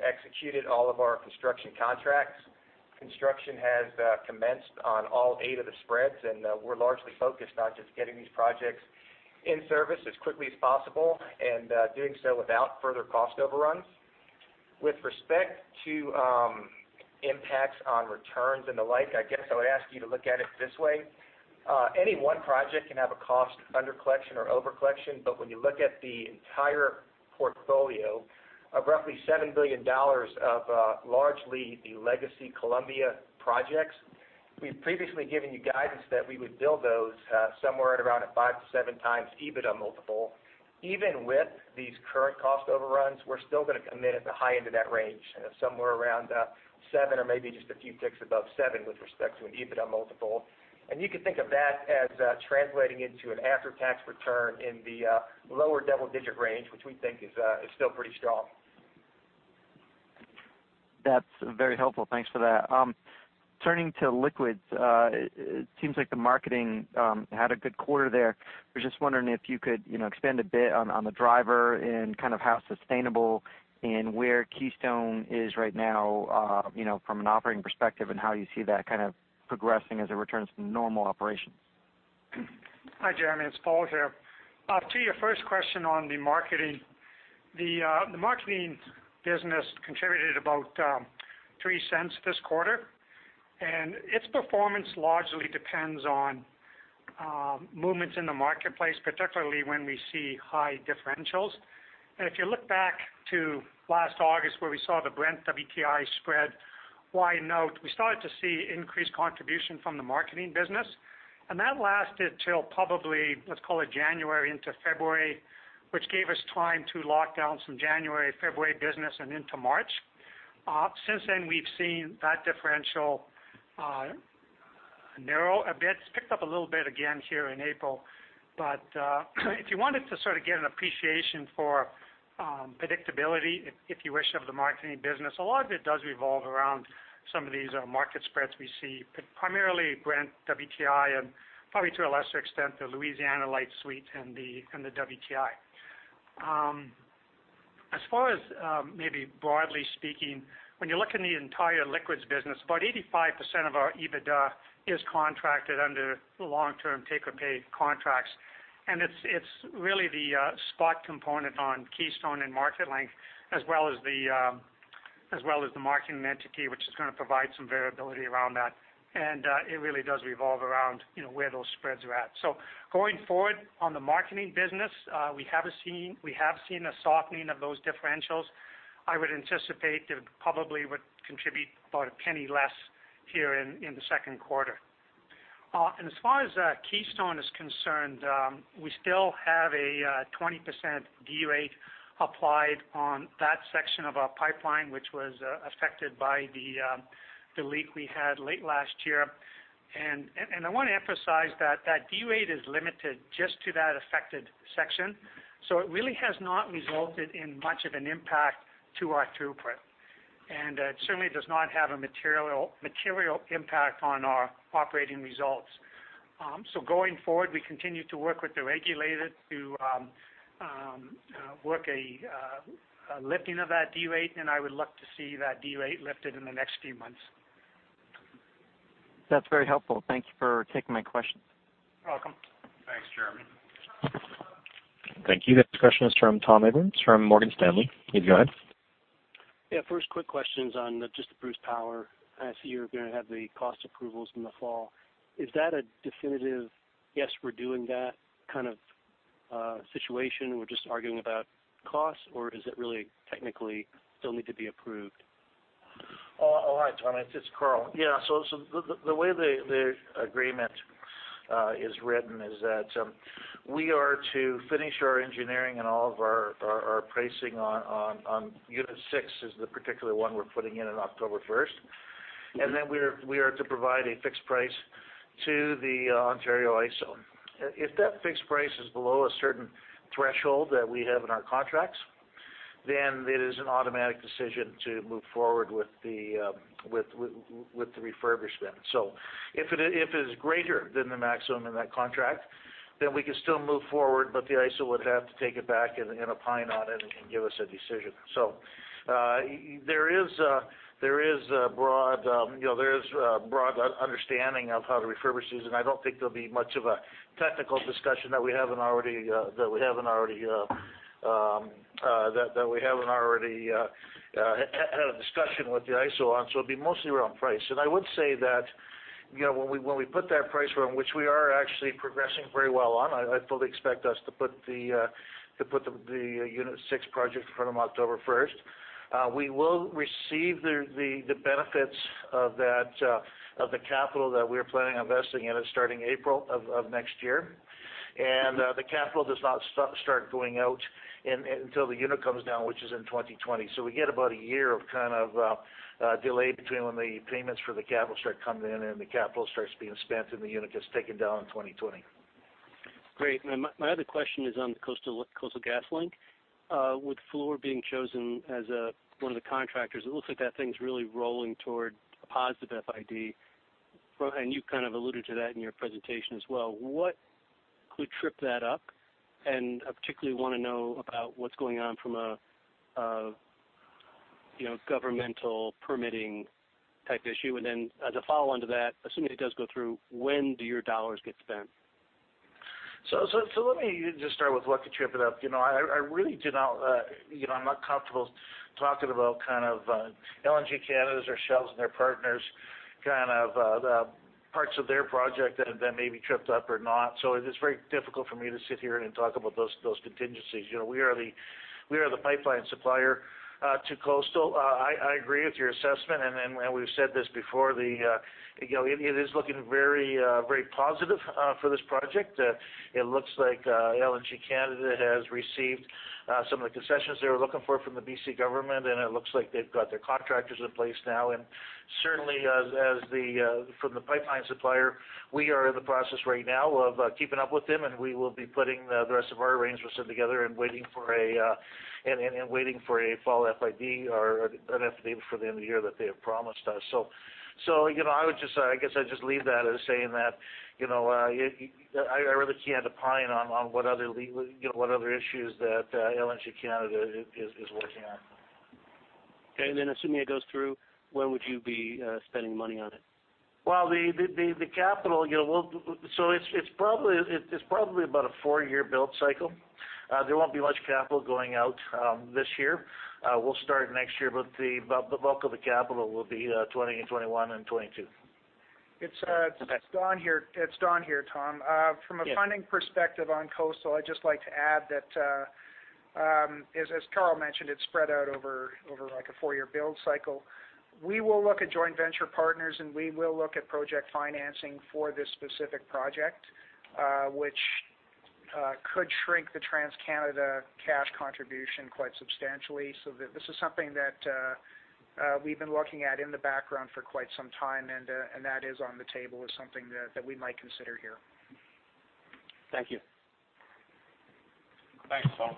executed all of our construction contracts. Construction has commenced on all eight of the spreads, and we're largely focused on just getting these projects in service as quickly as possible and doing so without further cost overruns. With respect to impacts on returns and the like, I guess I would ask you to look at it this way. Any one project can have a cost under collection or over collection, but when you look at the entire portfolio of roughly 7 billion dollars of largely the legacy Columbia projects, we've previously given you guidance that we would build those somewhere at around a five to seven times EBITDA multiple. Even with these current cost overruns, we're still going to come in at the high end of that range, somewhere around seven or maybe just a few ticks above seven with respect to an EBITDA multiple. You can think of that as translating into an after-tax return in the lower double-digit range, which we think is still pretty strong. That's very helpful. Thanks for that. Turning to liquids, it seems like the marketing had a good quarter there. Was just wondering if you could expand a bit on the driver and how sustainable and where Keystone is right now from an operating perspective, and how you see that progressing as it returns to normal operations. Hi, Jeremy. It's Paul here. To your first question on the marketing. The marketing business contributed about 0.03 this quarter, and its performance largely depends on movements in the marketplace, particularly when we see high differentials. If you look back to last August where we saw the Brent WTI spread widen out, we started to see increased contribution from the marketing business. That lasted till probably, let's call it January into February, which gave us time to lock down some January, February business and into March. Since then, we've seen that differential narrow a bit. It's picked up a little bit again here in April. If you wanted to get an appreciation for predictability, if you wish, of the marketing business, a lot of it does revolve around some of these market spreads we see, primarily Brent WTI and probably to a lesser extent, the Light Louisiana Sweet and the WTI. As far as maybe broadly speaking, when you look in the entire liquids business, about 85% of our EBITDA is contracted under long-term take-or-pay contracts. It's really the spot component on Keystone and Marketlink, as well as the marketing entity, which is going to provide some variability around that. It really does revolve around where those spreads are at. Going forward on the marketing business, we have seen a softening of those differentials. I would anticipate it probably would contribute about CAD 0.01 less here in the second quarter. As far as Keystone is concerned, we still have a 20% de-rate applied on that section of our pipeline, which was affected by the leak we had late last year. I want to emphasize that that de-rate is limited just to that affected section. It really has not resulted in much of an impact to our throughput, and it certainly does not have a material impact on our operating results. Going forward, we continue to work with the regulators to work a lifting of that de-rate, and I would look to see that de-rate lifted in the next few months. That's very helpful. Thank you for taking my questions. Welcome. Thanks, Jeremy. Thank you. This question is from Tom Abrams from Morgan Stanley. You can go ahead. Yeah. First quick question is on just the Bruce Power. I see you're going to have the cost approvals in the fall. Is that a definitive, yes, we're doing that kind of situation, we're just arguing about costs, or is it really technically still need to be approved? Hi, Tom. It's Karl. Yeah. The way the agreement is written is that we are to finish our engineering and all of our pricing on unit 6, is the particular one we're putting in on October 1st. Then we are to provide a fixed price to the Ontario ISO. If that fixed price is below a certain threshold that we have in our contracts, it is an automatic decision to move forward with the refurbishment. If it is greater than the maximum in that contract, we can still move forward, but the ISO would have to take it back and opine on it and give us a decision. There is a broad understanding of how to refurbish these, and I don't think there'll be much of a technical discussion that we haven't already had a discussion with the ISO on. It'll be mostly around price. I would say that when we put that price, which we are actually progressing very well on, I fully expect us to put the unit 6 project in front of them October 1st. We will receive the benefits of the capital that we're planning on investing in it starting April of next year. The capital does not start going out until the unit comes down, which is in 2020. We get about a year of delay between when the payments for the capital start coming in, and the capital starts being spent, and the unit gets taken down in 2020. Great. My other question is on the Coastal GasLink. With Fluor being chosen as one of the contractors, it looks like that thing's really rolling toward a positive FID. You kind of alluded to that in your presentation as well. What could trip that up? I particularly want to know about what's going on from a governmental permitting type issue. As a follow-on to that, assuming it does go through, when do your dollars get spent? Let me just start with what could trip it up. I'm not comfortable talking about kind of LNG Canada's or Shell's and their partners, kind of the parts of their project that may be tripped up or not. It is very difficult for me to sit here and talk about those contingencies. We are the pipeline supplier to Coastal. I agree with your assessment, we've said this before, it is looking very positive for this project. It looks like LNG Canada has received some of the concessions they were looking for from the B.C. government. It looks like they've got their contractors in place now. Certainly, from the pipeline supplier, we are in the process right now of keeping up with them. We will be putting the rest of our arrangements in together and waiting for a fall FID or an FID for the end of the year that they have promised us. I guess I'd just leave that as saying that, I really can't opine on what other issues that LNG Canada is working on. Okay, assuming it goes through, when would you be spending money on it? Well, the capital, it's probably about a four-year build cycle. There won't be much capital going out this year. We'll start next year, the bulk of the capital will be 2020, 2021, and 2022. It's Don here, Tom. Yeah. From a funding perspective on Coastal, I'd just like to add that, as Karl mentioned, it's spread out over a four-year build cycle. We will look at joint venture partners, and we will look at project financing for this specific project, which could shrink the TransCanada cash contribution quite substantially. This is something that we've been looking at in the background for quite some time, and that is on the table as something that we might consider here. Thank you. Thanks, Tom.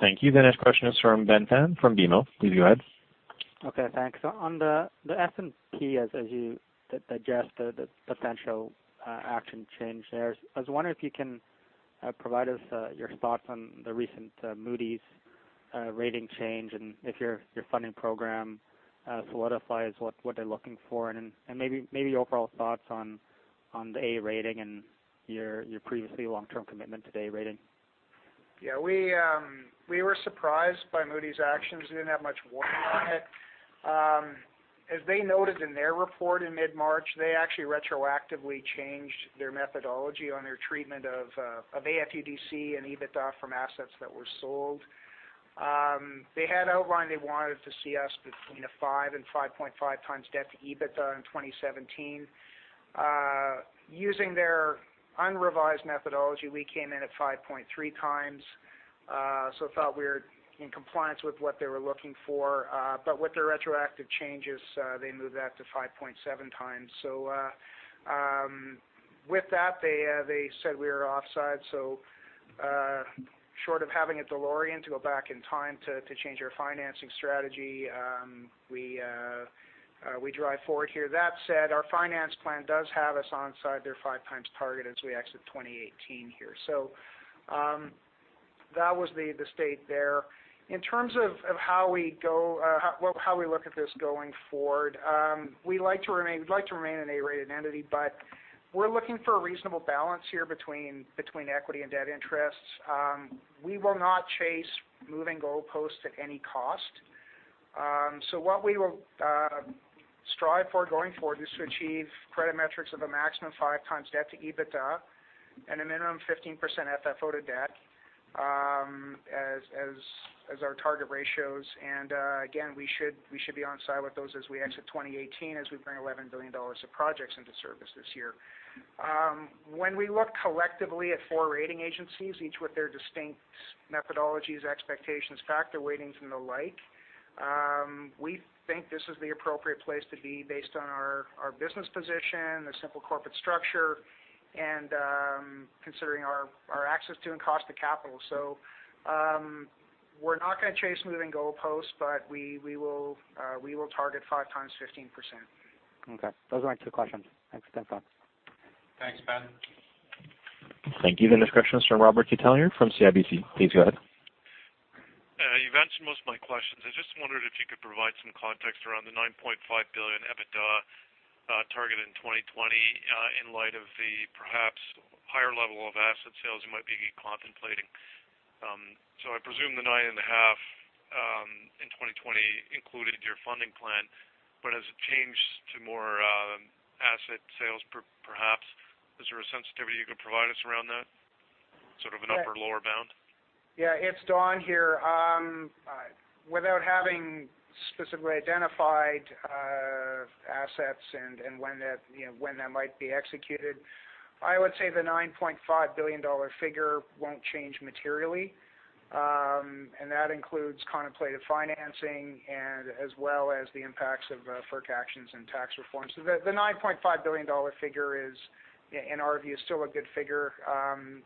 Thank you. The next question is from Ben Pham from BMO. Please go ahead. Okay, thanks. On the S&P, as you digest the potential action change there, I was wondering if you can provide us your thoughts on the recent Moody's rating change and if your funding program solidifies what they're looking for, and maybe your overall thoughts on the A rating and your previously long-term commitment to the A rating. Yeah, we were surprised by Moody's actions. We didn't have much warning on it. As they noted in their report in mid-March, they actually retroactively changed their methodology on their treatment of AFUDC and EBITDA from assets that were sold. They had outlined they wanted to see us between a 5 and 5.5 times debt to EBITDA in 2017. Using their unrevised methodology, we came in at 5.3 times. Thought we were in compliance with what they were looking for. With their retroactive changes, they moved that to 5.7 times. With that, they said we were offside, short of having a DeLorean to go back in time to change our financing strategy, we drive forward here. That said, our finance plan does have us onside their five times target as we exit 2018 here. That was the state there. In terms of how we look at this going forward, we'd like to remain an A-rated entity, but we're looking for a reasonable balance here between equity and debt interests. We will not chase moving goal posts at any cost. What we will strive for going forward is to achieve credit metrics of a maximum five times debt to EBITDA and a minimum 15% FFO to debt as our target ratios. Again, we should be onside with those as we exit 2018, as we bring 11 billion dollars of projects into service this year. When we look collectively at four rating agencies, each with their distinct methodologies, expectations, factor weightings, and the like, we think this is the appropriate place to be based on our business position, the simple corporate structure, and considering our access to and cost of capital. We're not going to chase moving goal posts, but we will target five times 15%. Okay. Those were my two questions. Thanks. Thanks, Don. Thanks, Ben. Thank you. The next question is from Robert Catellier from CIBC. Please go ahead. You've answered most of my questions. I just wondered if you could provide some context around the 9.5 billion EBITDA target in 2020, in light of the perhaps higher level of asset sales you might be contemplating. I presume the 9.5 in 2020 included your funding plan, has it changed to more asset sales, perhaps? Is there a sensitivity you could provide us around that? Sort of an upper, lower bound? It's Don here. Without having specifically identified assets and when that might be executed, I would say the 9.5 billion dollar figure won't change materially. That includes contemplated financing and as well as the impacts of FERC actions and tax reforms. The 9.5 billion dollar figure is, in our view, still a good figure.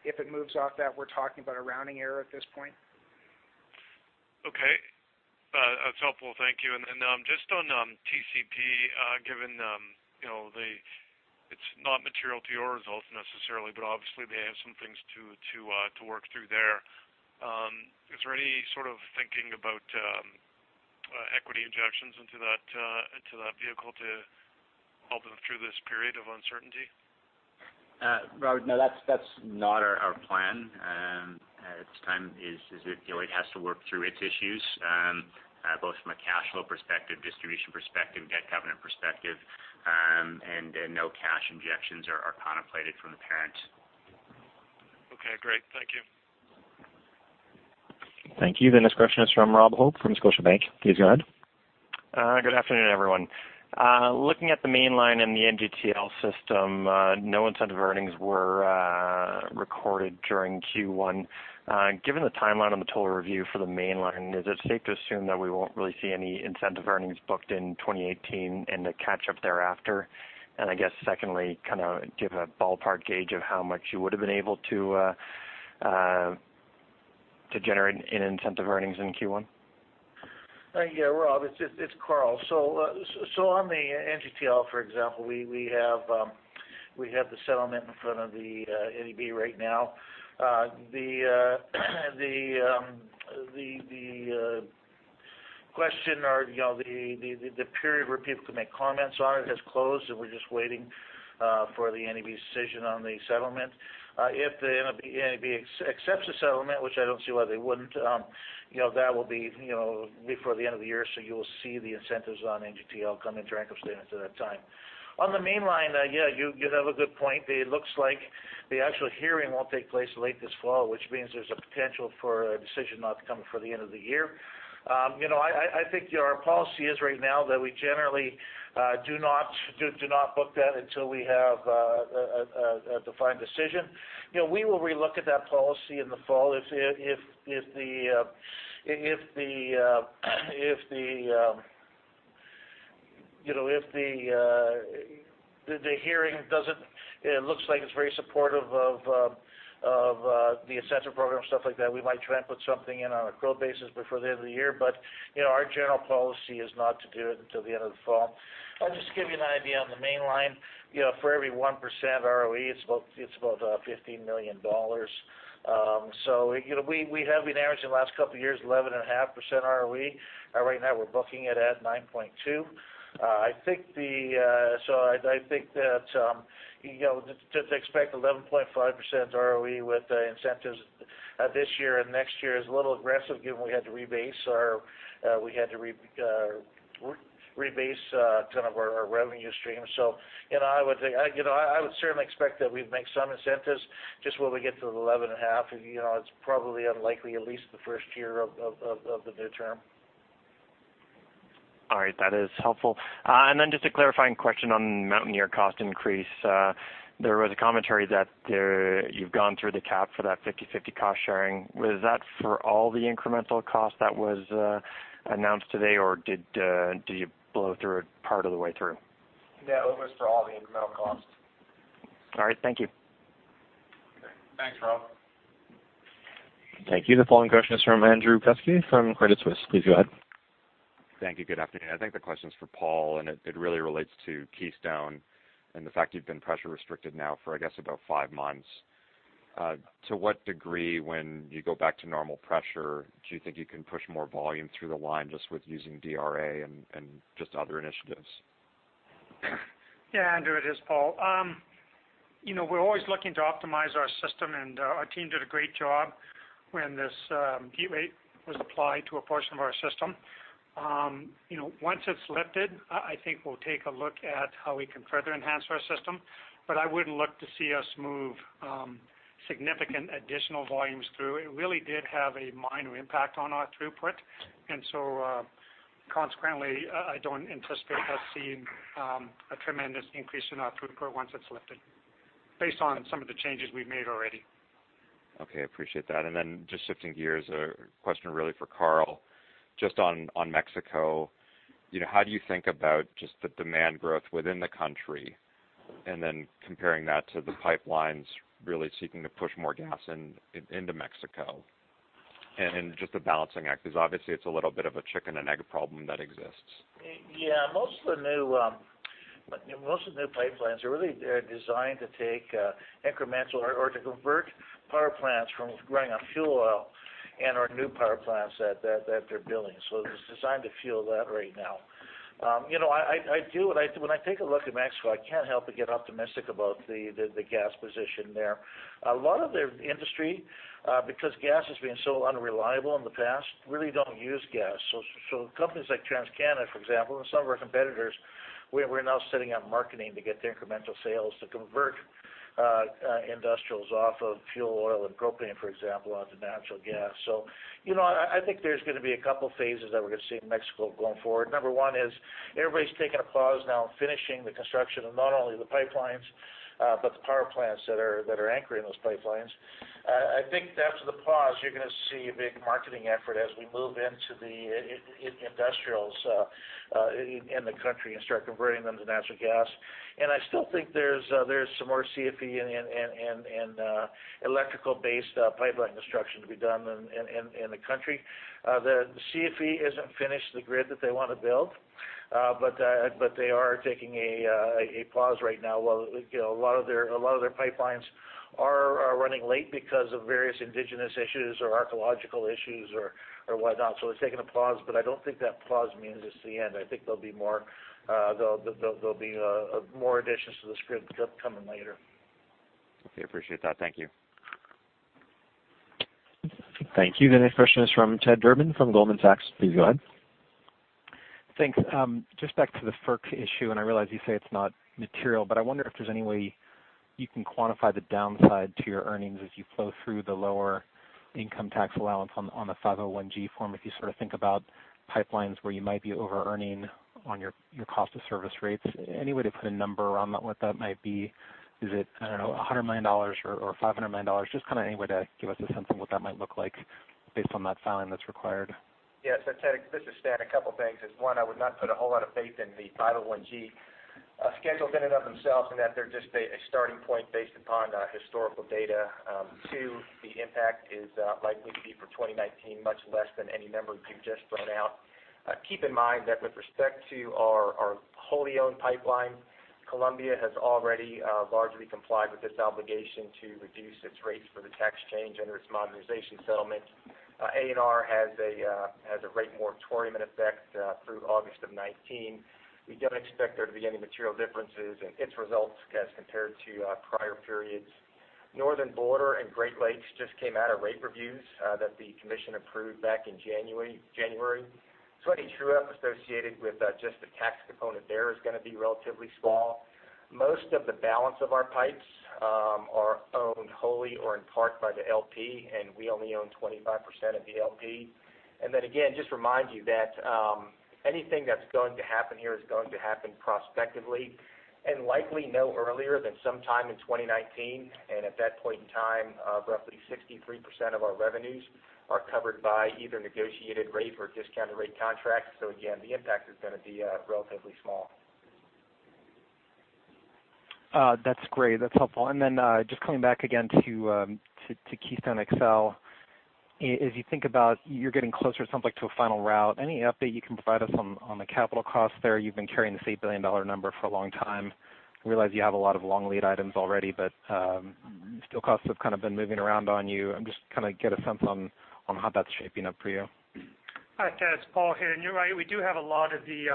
If it moves off that, we're talking about a rounding error at this point. Okay. That's helpful. Thank you. Just on TCP, given it's not material to your results necessarily, but obviously they have some things to work through there. Is there any sort of thinking about equity injections into that vehicle to help them through this period of uncertainty? Robert, that's not our plan. At this time, it has to work through its issues, both from a cash flow perspective, distribution perspective, debt covenant perspective, and no cash injections are contemplated from the parent. Great. Thank you. Thank you. The next question is from Robert Hope from Scotiabank. Please go ahead. Good afternoon, everyone. Looking at the Mainline in the NGTL System, no incentive earnings were recorded during Q1. Given the timeline on the total review for the Mainline, is it safe to assume that we won't really see any incentive earnings booked in 2018 and the catch-up thereafter? I guess secondly, give a ballpark gauge of how much you would've been able to generate in incentive earnings in Q1? Rob, it's Karl Johannson. On the NGTL, for example, we have the settlement in front of the NEB right now. The question or the period where people can make comments on it has closed, and we're just waiting for the NEB's decision on the settlement. If the NEB accepts the settlement, which I don't see why they wouldn't, that will be before the end of the year, you'll see the incentives on NGTL come into income statement at that time. On the Mainline, you have a good point. It looks like the actual hearing won't take place late this fall, which means there's a potential for a decision not to come before the end of the year. I think our policy is right now that we generally do not book that until we have a defined decision. We will relook at that policy in the fall. It looks like it's very supportive of the incentive program, stuff like that. We might try and put something in on a pro basis before the end of the year. Our general policy is not to do it until the end of the fall. I'll just give you an idea on the Mainline. For every 1% ROE, it's about 15 million dollars. We have been averaging the last couple of years 11.5% ROE. Right now, we're booking it at 9.2. I think that to expect 11.5% ROE with incentives this year and next year is a little aggressive given we had to rebase kind of our revenue stream. I would certainly expect that we'd make some incentives just when we get to the 11.5. It's probably unlikely at least the first year of the new term. All right. That is helpful. Just a clarifying question on Mountaineer XPress cost increase. There was a commentary that you've gone through the cap for that 50/50 cost sharing. Was that for all the incremental cost that was announced today, or did you blow through it part of the way through? Yeah, it was for all the incremental costs. All right. Thank you. Okay. Thanks, Rob. Thank you. The following question is from Andrew Kuske from Credit Suisse. Please go ahead. Thank you. Good afternoon. I think the question's for Paul, it really relates to Keystone and the fact you've been pressure restricted now for, I guess, about five months. To what degree, when you go back to normal pressure, do you think you can push more volume through the line just with using DRA and just other initiatives? Yeah, Andrew, it is Paul. We're always looking to optimize our system, our team did a great job when this gate rate was applied to a portion of our system. Once it's lifted, I think we'll take a look at how we can further enhance our system, I wouldn't look to see us move significant additional volumes through. It really did have a minor impact on our throughput, consequently, I don't anticipate us seeing a tremendous increase in our throughput once it's lifted based on some of the changes we've made already. Okay, appreciate that. Just shifting gears, a question really for Karl, just on Mexico. How do you think about just the demand growth within the country, comparing that to the pipelines really seeking to push more gas into Mexico and just the balancing act? Obviously it's a little bit of a chicken and egg problem that exists. Yeah. Most of the new pipelines are really designed to take incremental or to convert power plants from running on fuel oil and/or new power plants that they're building. It was designed to fuel that right now. When I take a look at Mexico, I can't help but get optimistic about the gas position there. A lot of their industry, because gas has been so unreliable in the past, really don't use gas. Companies like TransCanada, for example, and some of our competitors, we're now sitting on marketing to get the incremental sales to convert industrials off of fuel oil and propane, for example, onto natural gas. I think there's going to be a couple phases that we're going to see in Mexico going forward. Number one is everybody's taking a pause now on finishing the construction of not only the pipelines, but the power plants that are anchoring those pipelines. I think after the pause, you're going to see a big marketing effort as we move into the industrials in the country and start converting them to natural gas. I still think there's some more CFE and electrical-based pipeline construction to be done in the country. The CFE isn't finished the grid that they want to build. They are taking a pause right now while a lot of their pipelines are running late because of various indigenous issues or archeological issues or whatnot. They're taking a pause, but I don't think that pause means it's the end. I think there'll be more additions to this grid coming later. Okay. Appreciate that. Thank you. Thank you. The next question is from Ted Durbin from Goldman Sachs. Please go ahead. Thanks. Just back to the FERC issue, I realize you say it's not material, I wonder if there's any way you can quantify the downside to your earnings as you flow through the lower income tax allowance on the Form 501-G. If you think about pipelines where you might be over-earning on your cost of service rates. Any way to put a number on what that might be? Is it, I don't know, 100 million dollars or 500 million dollars? Just any way to give us a sense of what that might look like based on that filing that's required. Yes. Ted, this is Stan. A couple things is, one, I would not put a whole lot of faith in the Form 501-G schedules in and of themselves in that they're just a starting point based upon historical data. Two, the impact is likely to be for 2019, much less than any numbers you've just thrown out. Keep in mind that with respect to our wholly owned pipeline, Columbia has already largely complied with its obligation to reduce its rates for the tax change under its modernization settlement. ANR has a rate moratorium in effect through August of 2019. We don't expect there to be any material differences in its results as compared to prior periods. Northern Border and Great Lakes just came out of rate reviews that the commission approved back in January. Any true-up associated with just the tax component there is going to be relatively small. Most of the balance of our pipes are owned wholly or in part by the LP, we only own 25% of the LP. Then again, just remind you that anything that's going to happen here is going to happen prospectively and likely no earlier than sometime in 2019. At that point in time, roughly 63% of our revenues are covered by either negotiated rate or discounted rate contracts. Again, the impact is going to be relatively small. That's great. That's helpful. Then just coming back again to Keystone XL. As you think about you're getting closer, it sounds like, to a final route, any update you can provide us on the capital cost there? You've been carrying this 8 billion dollar number for a long time. I realize you have a lot of long lead items already, but steel costs have been moving around on you. Just get a sense on how that's shaping up for you. Hi, Ted, it's Paul here. You're right, we do have a lot of the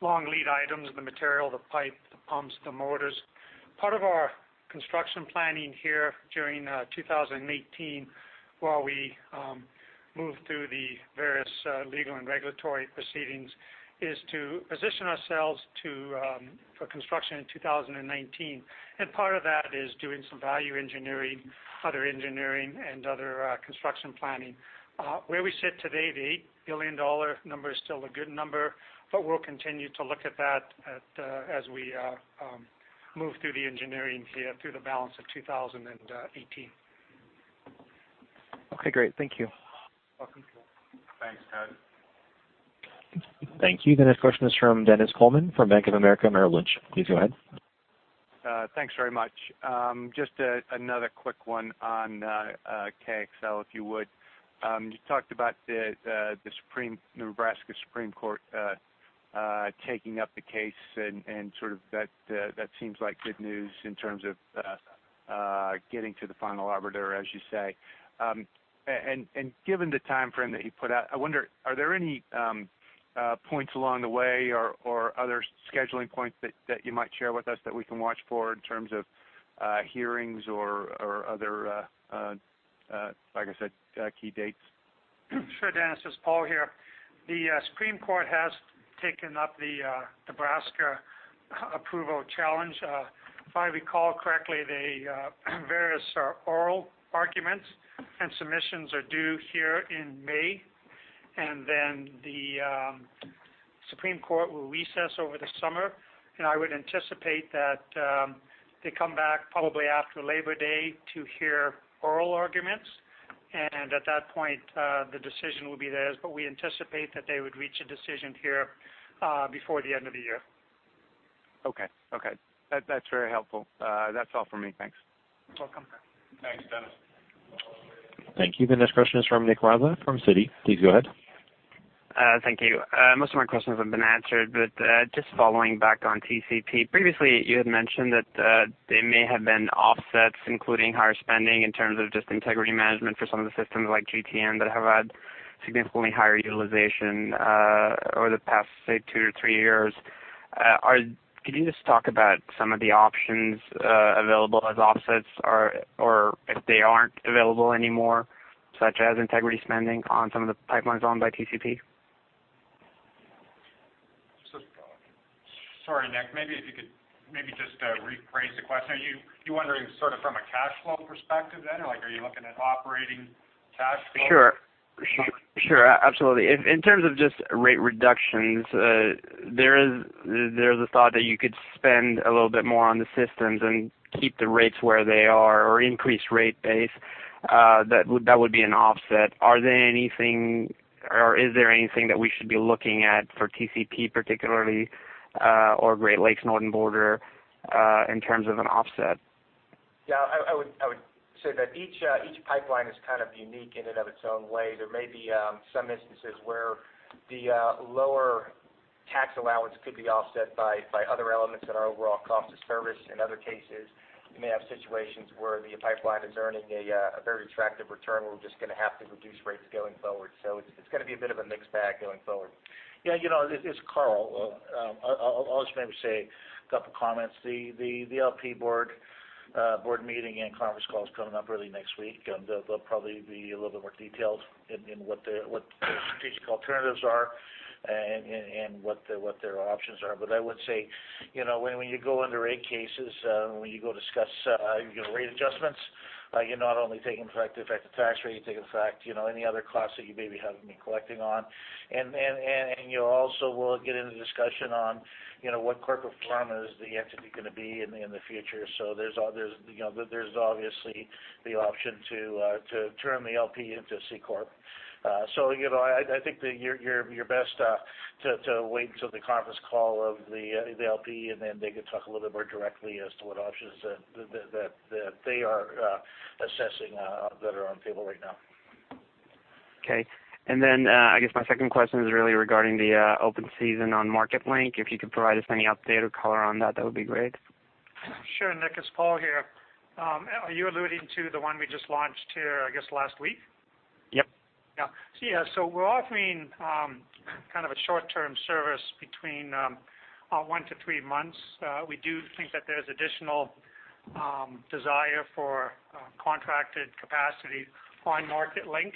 long lead items, the material, the pipe, the pumps, the motors. Part of our construction planning here during 2018 while we move through the various legal and regulatory proceedings, is to position ourselves for construction in 2019. Part of that is doing some value engineering, other engineering, other construction planning. Where we sit today, the 8 billion dollar number is still a good number, but we'll continue to look at that as we move through the engineering here through the balance of 2018. Okay, great. Thank you. Welcome. Thanks, Ted. Thank you. The next question is from Dennis Coleman from Bank of America Merrill Lynch. Please go ahead. Thanks very much. Just another quick one on KXL, if you would. You talked about the Nebraska Supreme Court taking up the case. That seems like good news in terms of getting to the final arbiter, as you say. Given the timeframe that you put out, I wonder, are there any points along the way or other scheduling points that you might share with us that we can watch for in terms of hearings or other, like I said, key dates? Sure, Dennis. It's Paul here. The Supreme Court has taken up the Nebraska approval challenge. If I recall correctly, the various oral arguments and submissions are due here in May. The Supreme Court will recess over the summer. I would anticipate that they come back probably after Labor Day to hear oral arguments. At that point, the decision will be theirs. We anticipate that they would reach a decision here before the end of the year. Okay. That's very helpful. That's all for me. Thanks. Welcome. Thanks, Dennis. Thank you. The next question is from Faisel Khan from Citi. Please go ahead. Thank you. Just following back on TCP. Previously, you had mentioned that there may have been offsets, including higher spending in terms of just integrity management for some of the systems like GTN that have had significantly higher utilization over the past, say, two to three years. Could you just talk about some of the options available as offsets or if they aren't available anymore, such as integrity spending on some of the pipelines owned by TCP? Sorry, Nick. If you could just rephrase the question. Are you wondering from a cash flow perspective? Are you looking at operating cash flow? Sure. Absolutely. In terms of just rate reductions, there's a thought that you could spend a little bit more on the systems and keep the rates where they are or increase rate base. That would be an offset. Are there anything or is there anything that we should be looking at for TCP particularly or Great Lakes, Northern Border in terms of an offset? Yeah. I would say that each pipeline is unique in and of its own way. There may be some instances where the lower tax allowance could be offset by other elements in our overall cost of service. In other cases, you may have situations where the pipeline is earning a very attractive return where we're just going to have to reduce rates going forward. It's going to be a bit of a mixed bag going forward. Yeah. It's Karl. I'll just maybe say a couple comments. The LP board board meeting and conference call is coming up early next week. They'll probably be a little bit more detailed in what the strategic alternatives are and what their options are. I would say, when you go under rate cases, when you go discuss your rate adjustments, you're not only taking into effect the tax rate, you take into effect any other costs that you maybe haven't been collecting on. You also will get into discussion on what corporate form is the entity going to be in the future. There's obviously the option to turn the LP into a C-corp. I think that your best to wait until the conference call of the LP, and then they could talk a little bit more directly as to what options that they are assessing that are on the table right now. Okay. I guess my second question is really regarding the open season on Marketlink. If you could provide us any update or color on that would be great. Sure, Faisel, it's Paul here. Are you alluding to the one we just launched here, I guess, last week? Yep. We're offering kind of a short-term service between one to three months. We do think that there's additional desire for contracted capacity on Marketlink.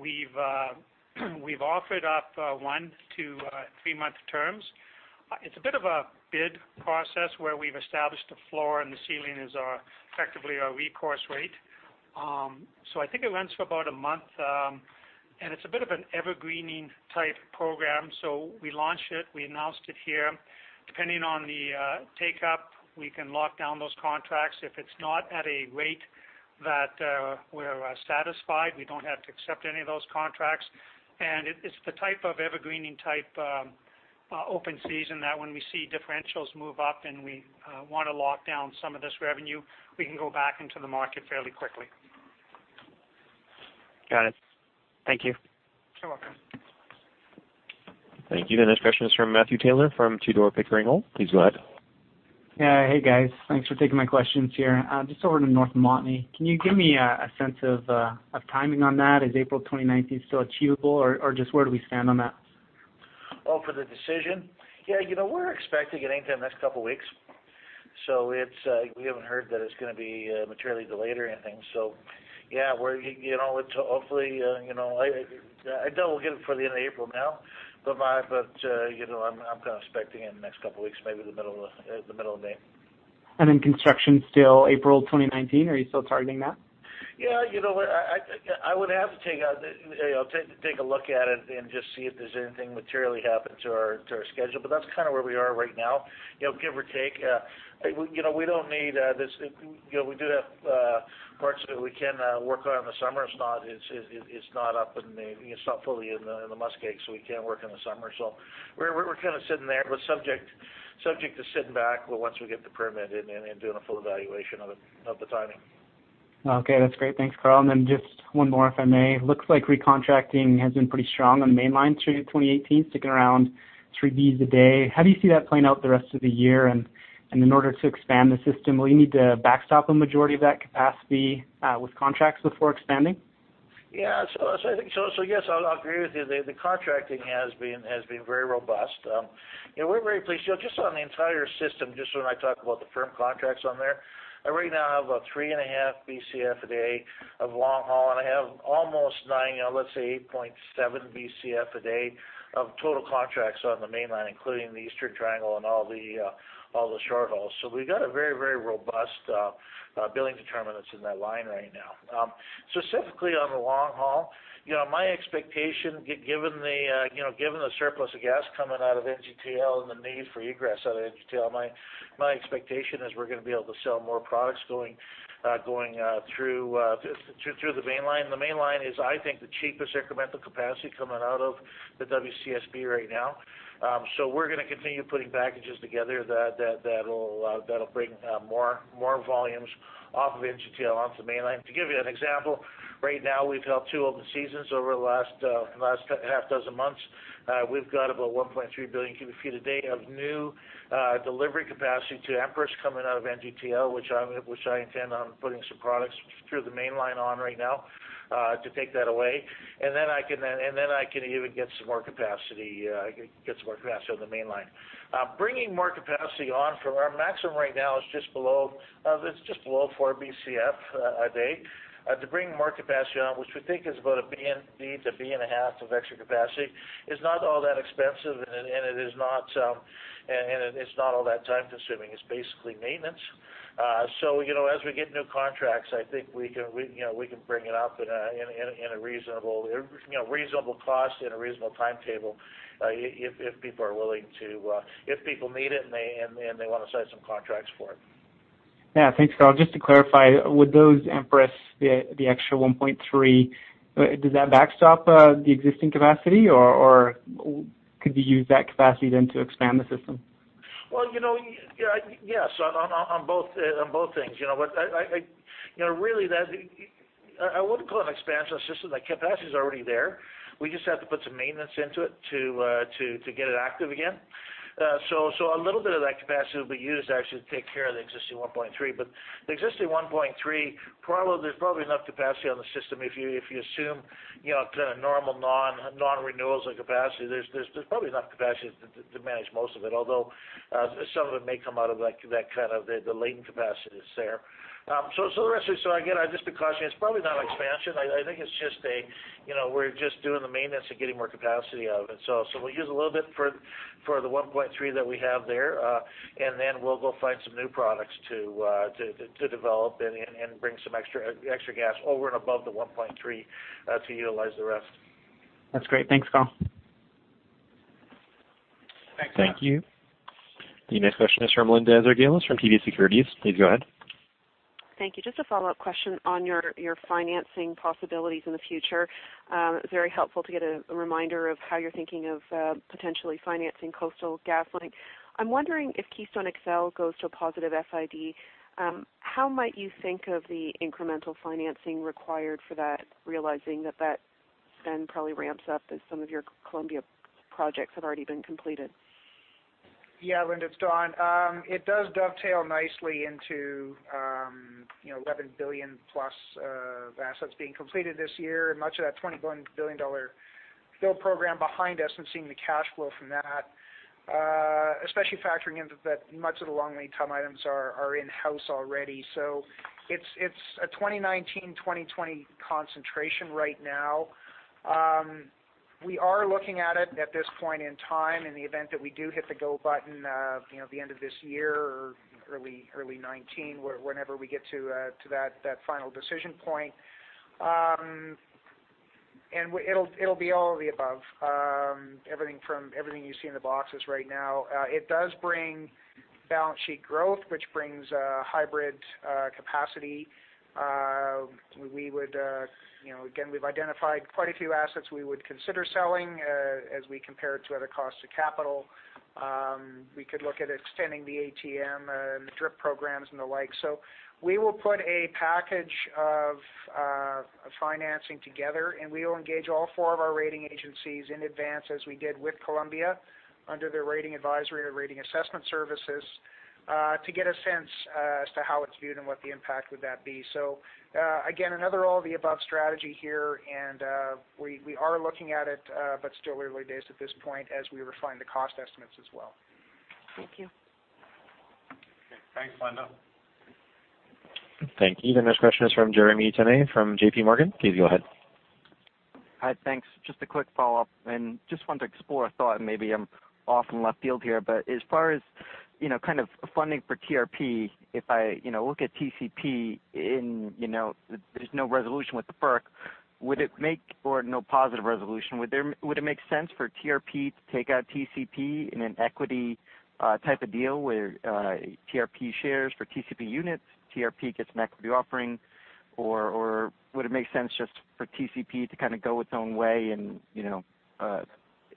We've offered up one-to-three month terms. It's a bit of a bid process where we've established a floor, the ceiling is effectively our recourse rate. I think it runs for about a month. It's a bit of an evergreening-type program. We launched it, we announced it here. Depending on the take-up, we can lock down those contracts. If it's not at a rate that we're satisfied, we don't have to accept any of those contracts. It's the type of evergreening type open season that when we see differentials move up and we want to lock down some of this revenue, we can go back into the market fairly quickly. Got it. Thank you. You're welcome. Thank you. The next question is from Matthew Taylor from Tudor, Pickering, Holt. Please go ahead. Yeah. Hey, guys. Thanks for taking my questions here. Just over to North Montney, can you give me a sense of timing on that? Is April 2019 still achievable, or just where do we stand on that? Oh, for the decision? Yeah, we're expecting it any time in the next couple of weeks. We haven't heard that it's going to be materially delayed or anything. Yeah, hopefully I doubt we'll get it for the end of April now, but I'm kind of expecting it in the next couple of weeks, maybe the middle of May. Construction's still April 2019. Are you still targeting that? Yeah. I would have to take a look at it and just see if there's anything materially happened to our schedule. That's kind of where we are right now, give or take. We do have parts that we can work on in the summer. It's not fully in the muskeg, so we can work in the summer. We're kind of sitting there, but subject to sitting back once we get the permit and doing a full evaluation of the timing. Okay. That's great. Thanks, Karl. Then just one more, if I may. Looks like recontracting has been pretty strong on the Canadian Mainline through 2018, sticking around 3 Bcf a day. How do you see that playing out the rest of the year? In order to expand the system, will you need to backstop a majority of that capacity with contracts before expanding? Yeah. Yes, I'll agree with you. The contracting has been very robust. We're very pleased. Just on the entire system, just when I talk about the firm contracts on there, I right now have three and a half Bcf a day of long haul, and I have almost nine, let's say 8.7 Bcf a day of total contracts on the Canadian Mainline, including the Eastern Triangle and all the short hauls. We've got a very robust billing determinant that's in that line right now. Specifically on the long haul, my expectation given the surplus of gas coming out of NGTL and the need for egress out of NGTL, my expectation is we're going to be able to sell more products going through the Canadian Mainline. The Canadian Mainline is, I think, the cheapest incremental capacity coming out of the WCSB right now. We're going to continue putting packages together that'll bring more volumes off of NGTL onto Canadian Mainline. To give you an example, right now we've held two open seasons over the last half dozen months. We've got about 1.3 billion cubic feet a day of new delivery capacity to Empress coming out of NGTL, which I intend on putting some products through the Canadian Mainline on right now, to take that away. Then I can even get some more capacity on the Canadian Mainline. Bringing more capacity on from our maximum right now is just below 4 Bcf a day. To bring more capacity on, which we think is about a Bcf and a half of extra capacity, is not all that expensive, and it is not all that time-consuming. It's basically maintenance. As we get new contracts, I think we can bring it up in a reasonable cost and a reasonable timetable, if people need it and they want to sign some contracts for it. Yeah. Thanks, Karl. Just to clarify, would those Empress, the extra 1.3, does that backstop the existing capacity, or could you use that capacity then to expand the system? Well, yes, on both things. Really, I wouldn't call it an expansion of the system. The capacity's already there. We just have to put some maintenance into it to get it active again. A little bit of that capacity will be used actually to take care of the existing 1.3. The existing 1.3, there's probably enough capacity on the system if you assume normal non-renewals of capacity. There's probably enough capacity to manage most of it, although some of it may come out of the latent capacity that's there. The rest of it, again, I'd just be cautious. It's probably not expansion. I think we're just doing the maintenance and getting more capacity out of it. We'll use a little bit for the 1.3 that we have there. We'll go find some new products to develop and bring some extra gas over and above the 1.3 to utilize the rest. That's great. Thanks, Karl. Thanks. Thank you. The next question is from Linda Ezergailis from TD Securities. Please go ahead. Thank you. Just a follow-up question on your financing possibilities in the future. Very helpful to get a reminder of how you are thinking of potentially financing Coastal GasLink. I am wondering if Keystone XL goes to a positive FID, how might you think of the incremental financing required for that, realizing that spend probably ramps up as some of your Columbia projects have already been completed? Yeah, Linda, it is Don. It does dovetail nicely into 11 billion plus of assets being completed this year, and much of that 20 billion dollar build program behind us and seeing the cash flow from that, especially factoring into that much of the long lead time items are in-house already. It is a 2019, 2020 concentration right now. We are looking at it at this point in time in the event that we do hit the go button at the end of this year or early 2019, whenever we get to that final decision point. It will be all of the above. Everything you see in the boxes right now. It does bring balance sheet growth, which brings hybrid capacity. Again, we have identified quite a few assets we would consider selling as we compare it to other costs of capital. We could look at extending the ATM and the DRIP programs and the like. We will put a package of financing together, and we will engage all four of our rating agencies in advance as we did with Columbia under their rating advisory or rating assessment services, to get a sense as to how it is viewed and what the impact would that be. Again, another all-of-the-above strategy here, and we are looking at it but still early days at this point as we refine the cost estimates as well. Thank you. Thanks, Linda. Thank you. The next question is from Jeremy Tonet from J.P. Morgan. Please go ahead. Hi, thanks. Just a quick follow-up, and just wanted to explore a thought, and maybe I'm off in left field here. As far as kind of funding for TRP, if I look at TCP and there's no resolution with the FERC or no positive resolution, would it make sense for TRP to take out TCP in an equity type of deal where TRP shares for TCP units, TRP gets an equity offering? Would it make sense just for TCP to kind of go its own way and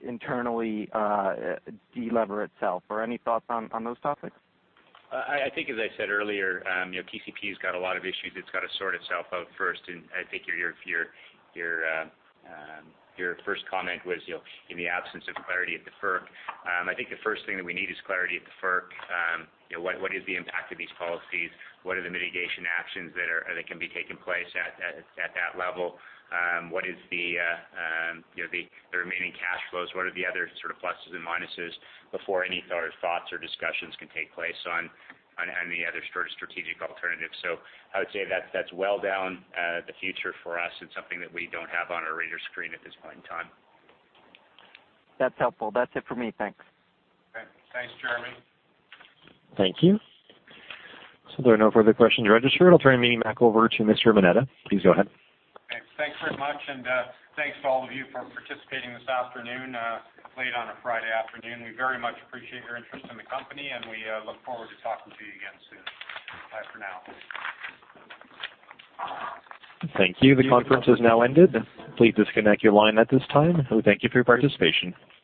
internally de-lever itself? Any thoughts on those topics? I think as I said earlier, TCP's got a lot of issues it's got to sort itself out first, and I think your first comment was in the absence of clarity at the FERC. I think the first thing that we need is clarity at the FERC. What is the impact of these policies? What are the mitigation actions that can be taking place at that level? What is the remaining cash flows? What are the other sort of pluses and minuses before any thoughts or discussions can take place on any other sort of strategic alternatives. I would say that's well down the future for us and something that we don't have on our radar screen at this point in time. That's helpful. That's it for me. Thanks. Okay. Thanks, Jeremy. Thank you. There are no further questions registered. I'll turn the meeting back over to Mr. Mineta. Please go ahead. Thanks very much. Thanks to all of you for participating this afternoon, late on a Friday afternoon. We very much appreciate your interest in the company. We look forward to talking to you again soon. Bye for now. Thank you. The conference has now ended. Please disconnect your line at this time. We thank you for your participation.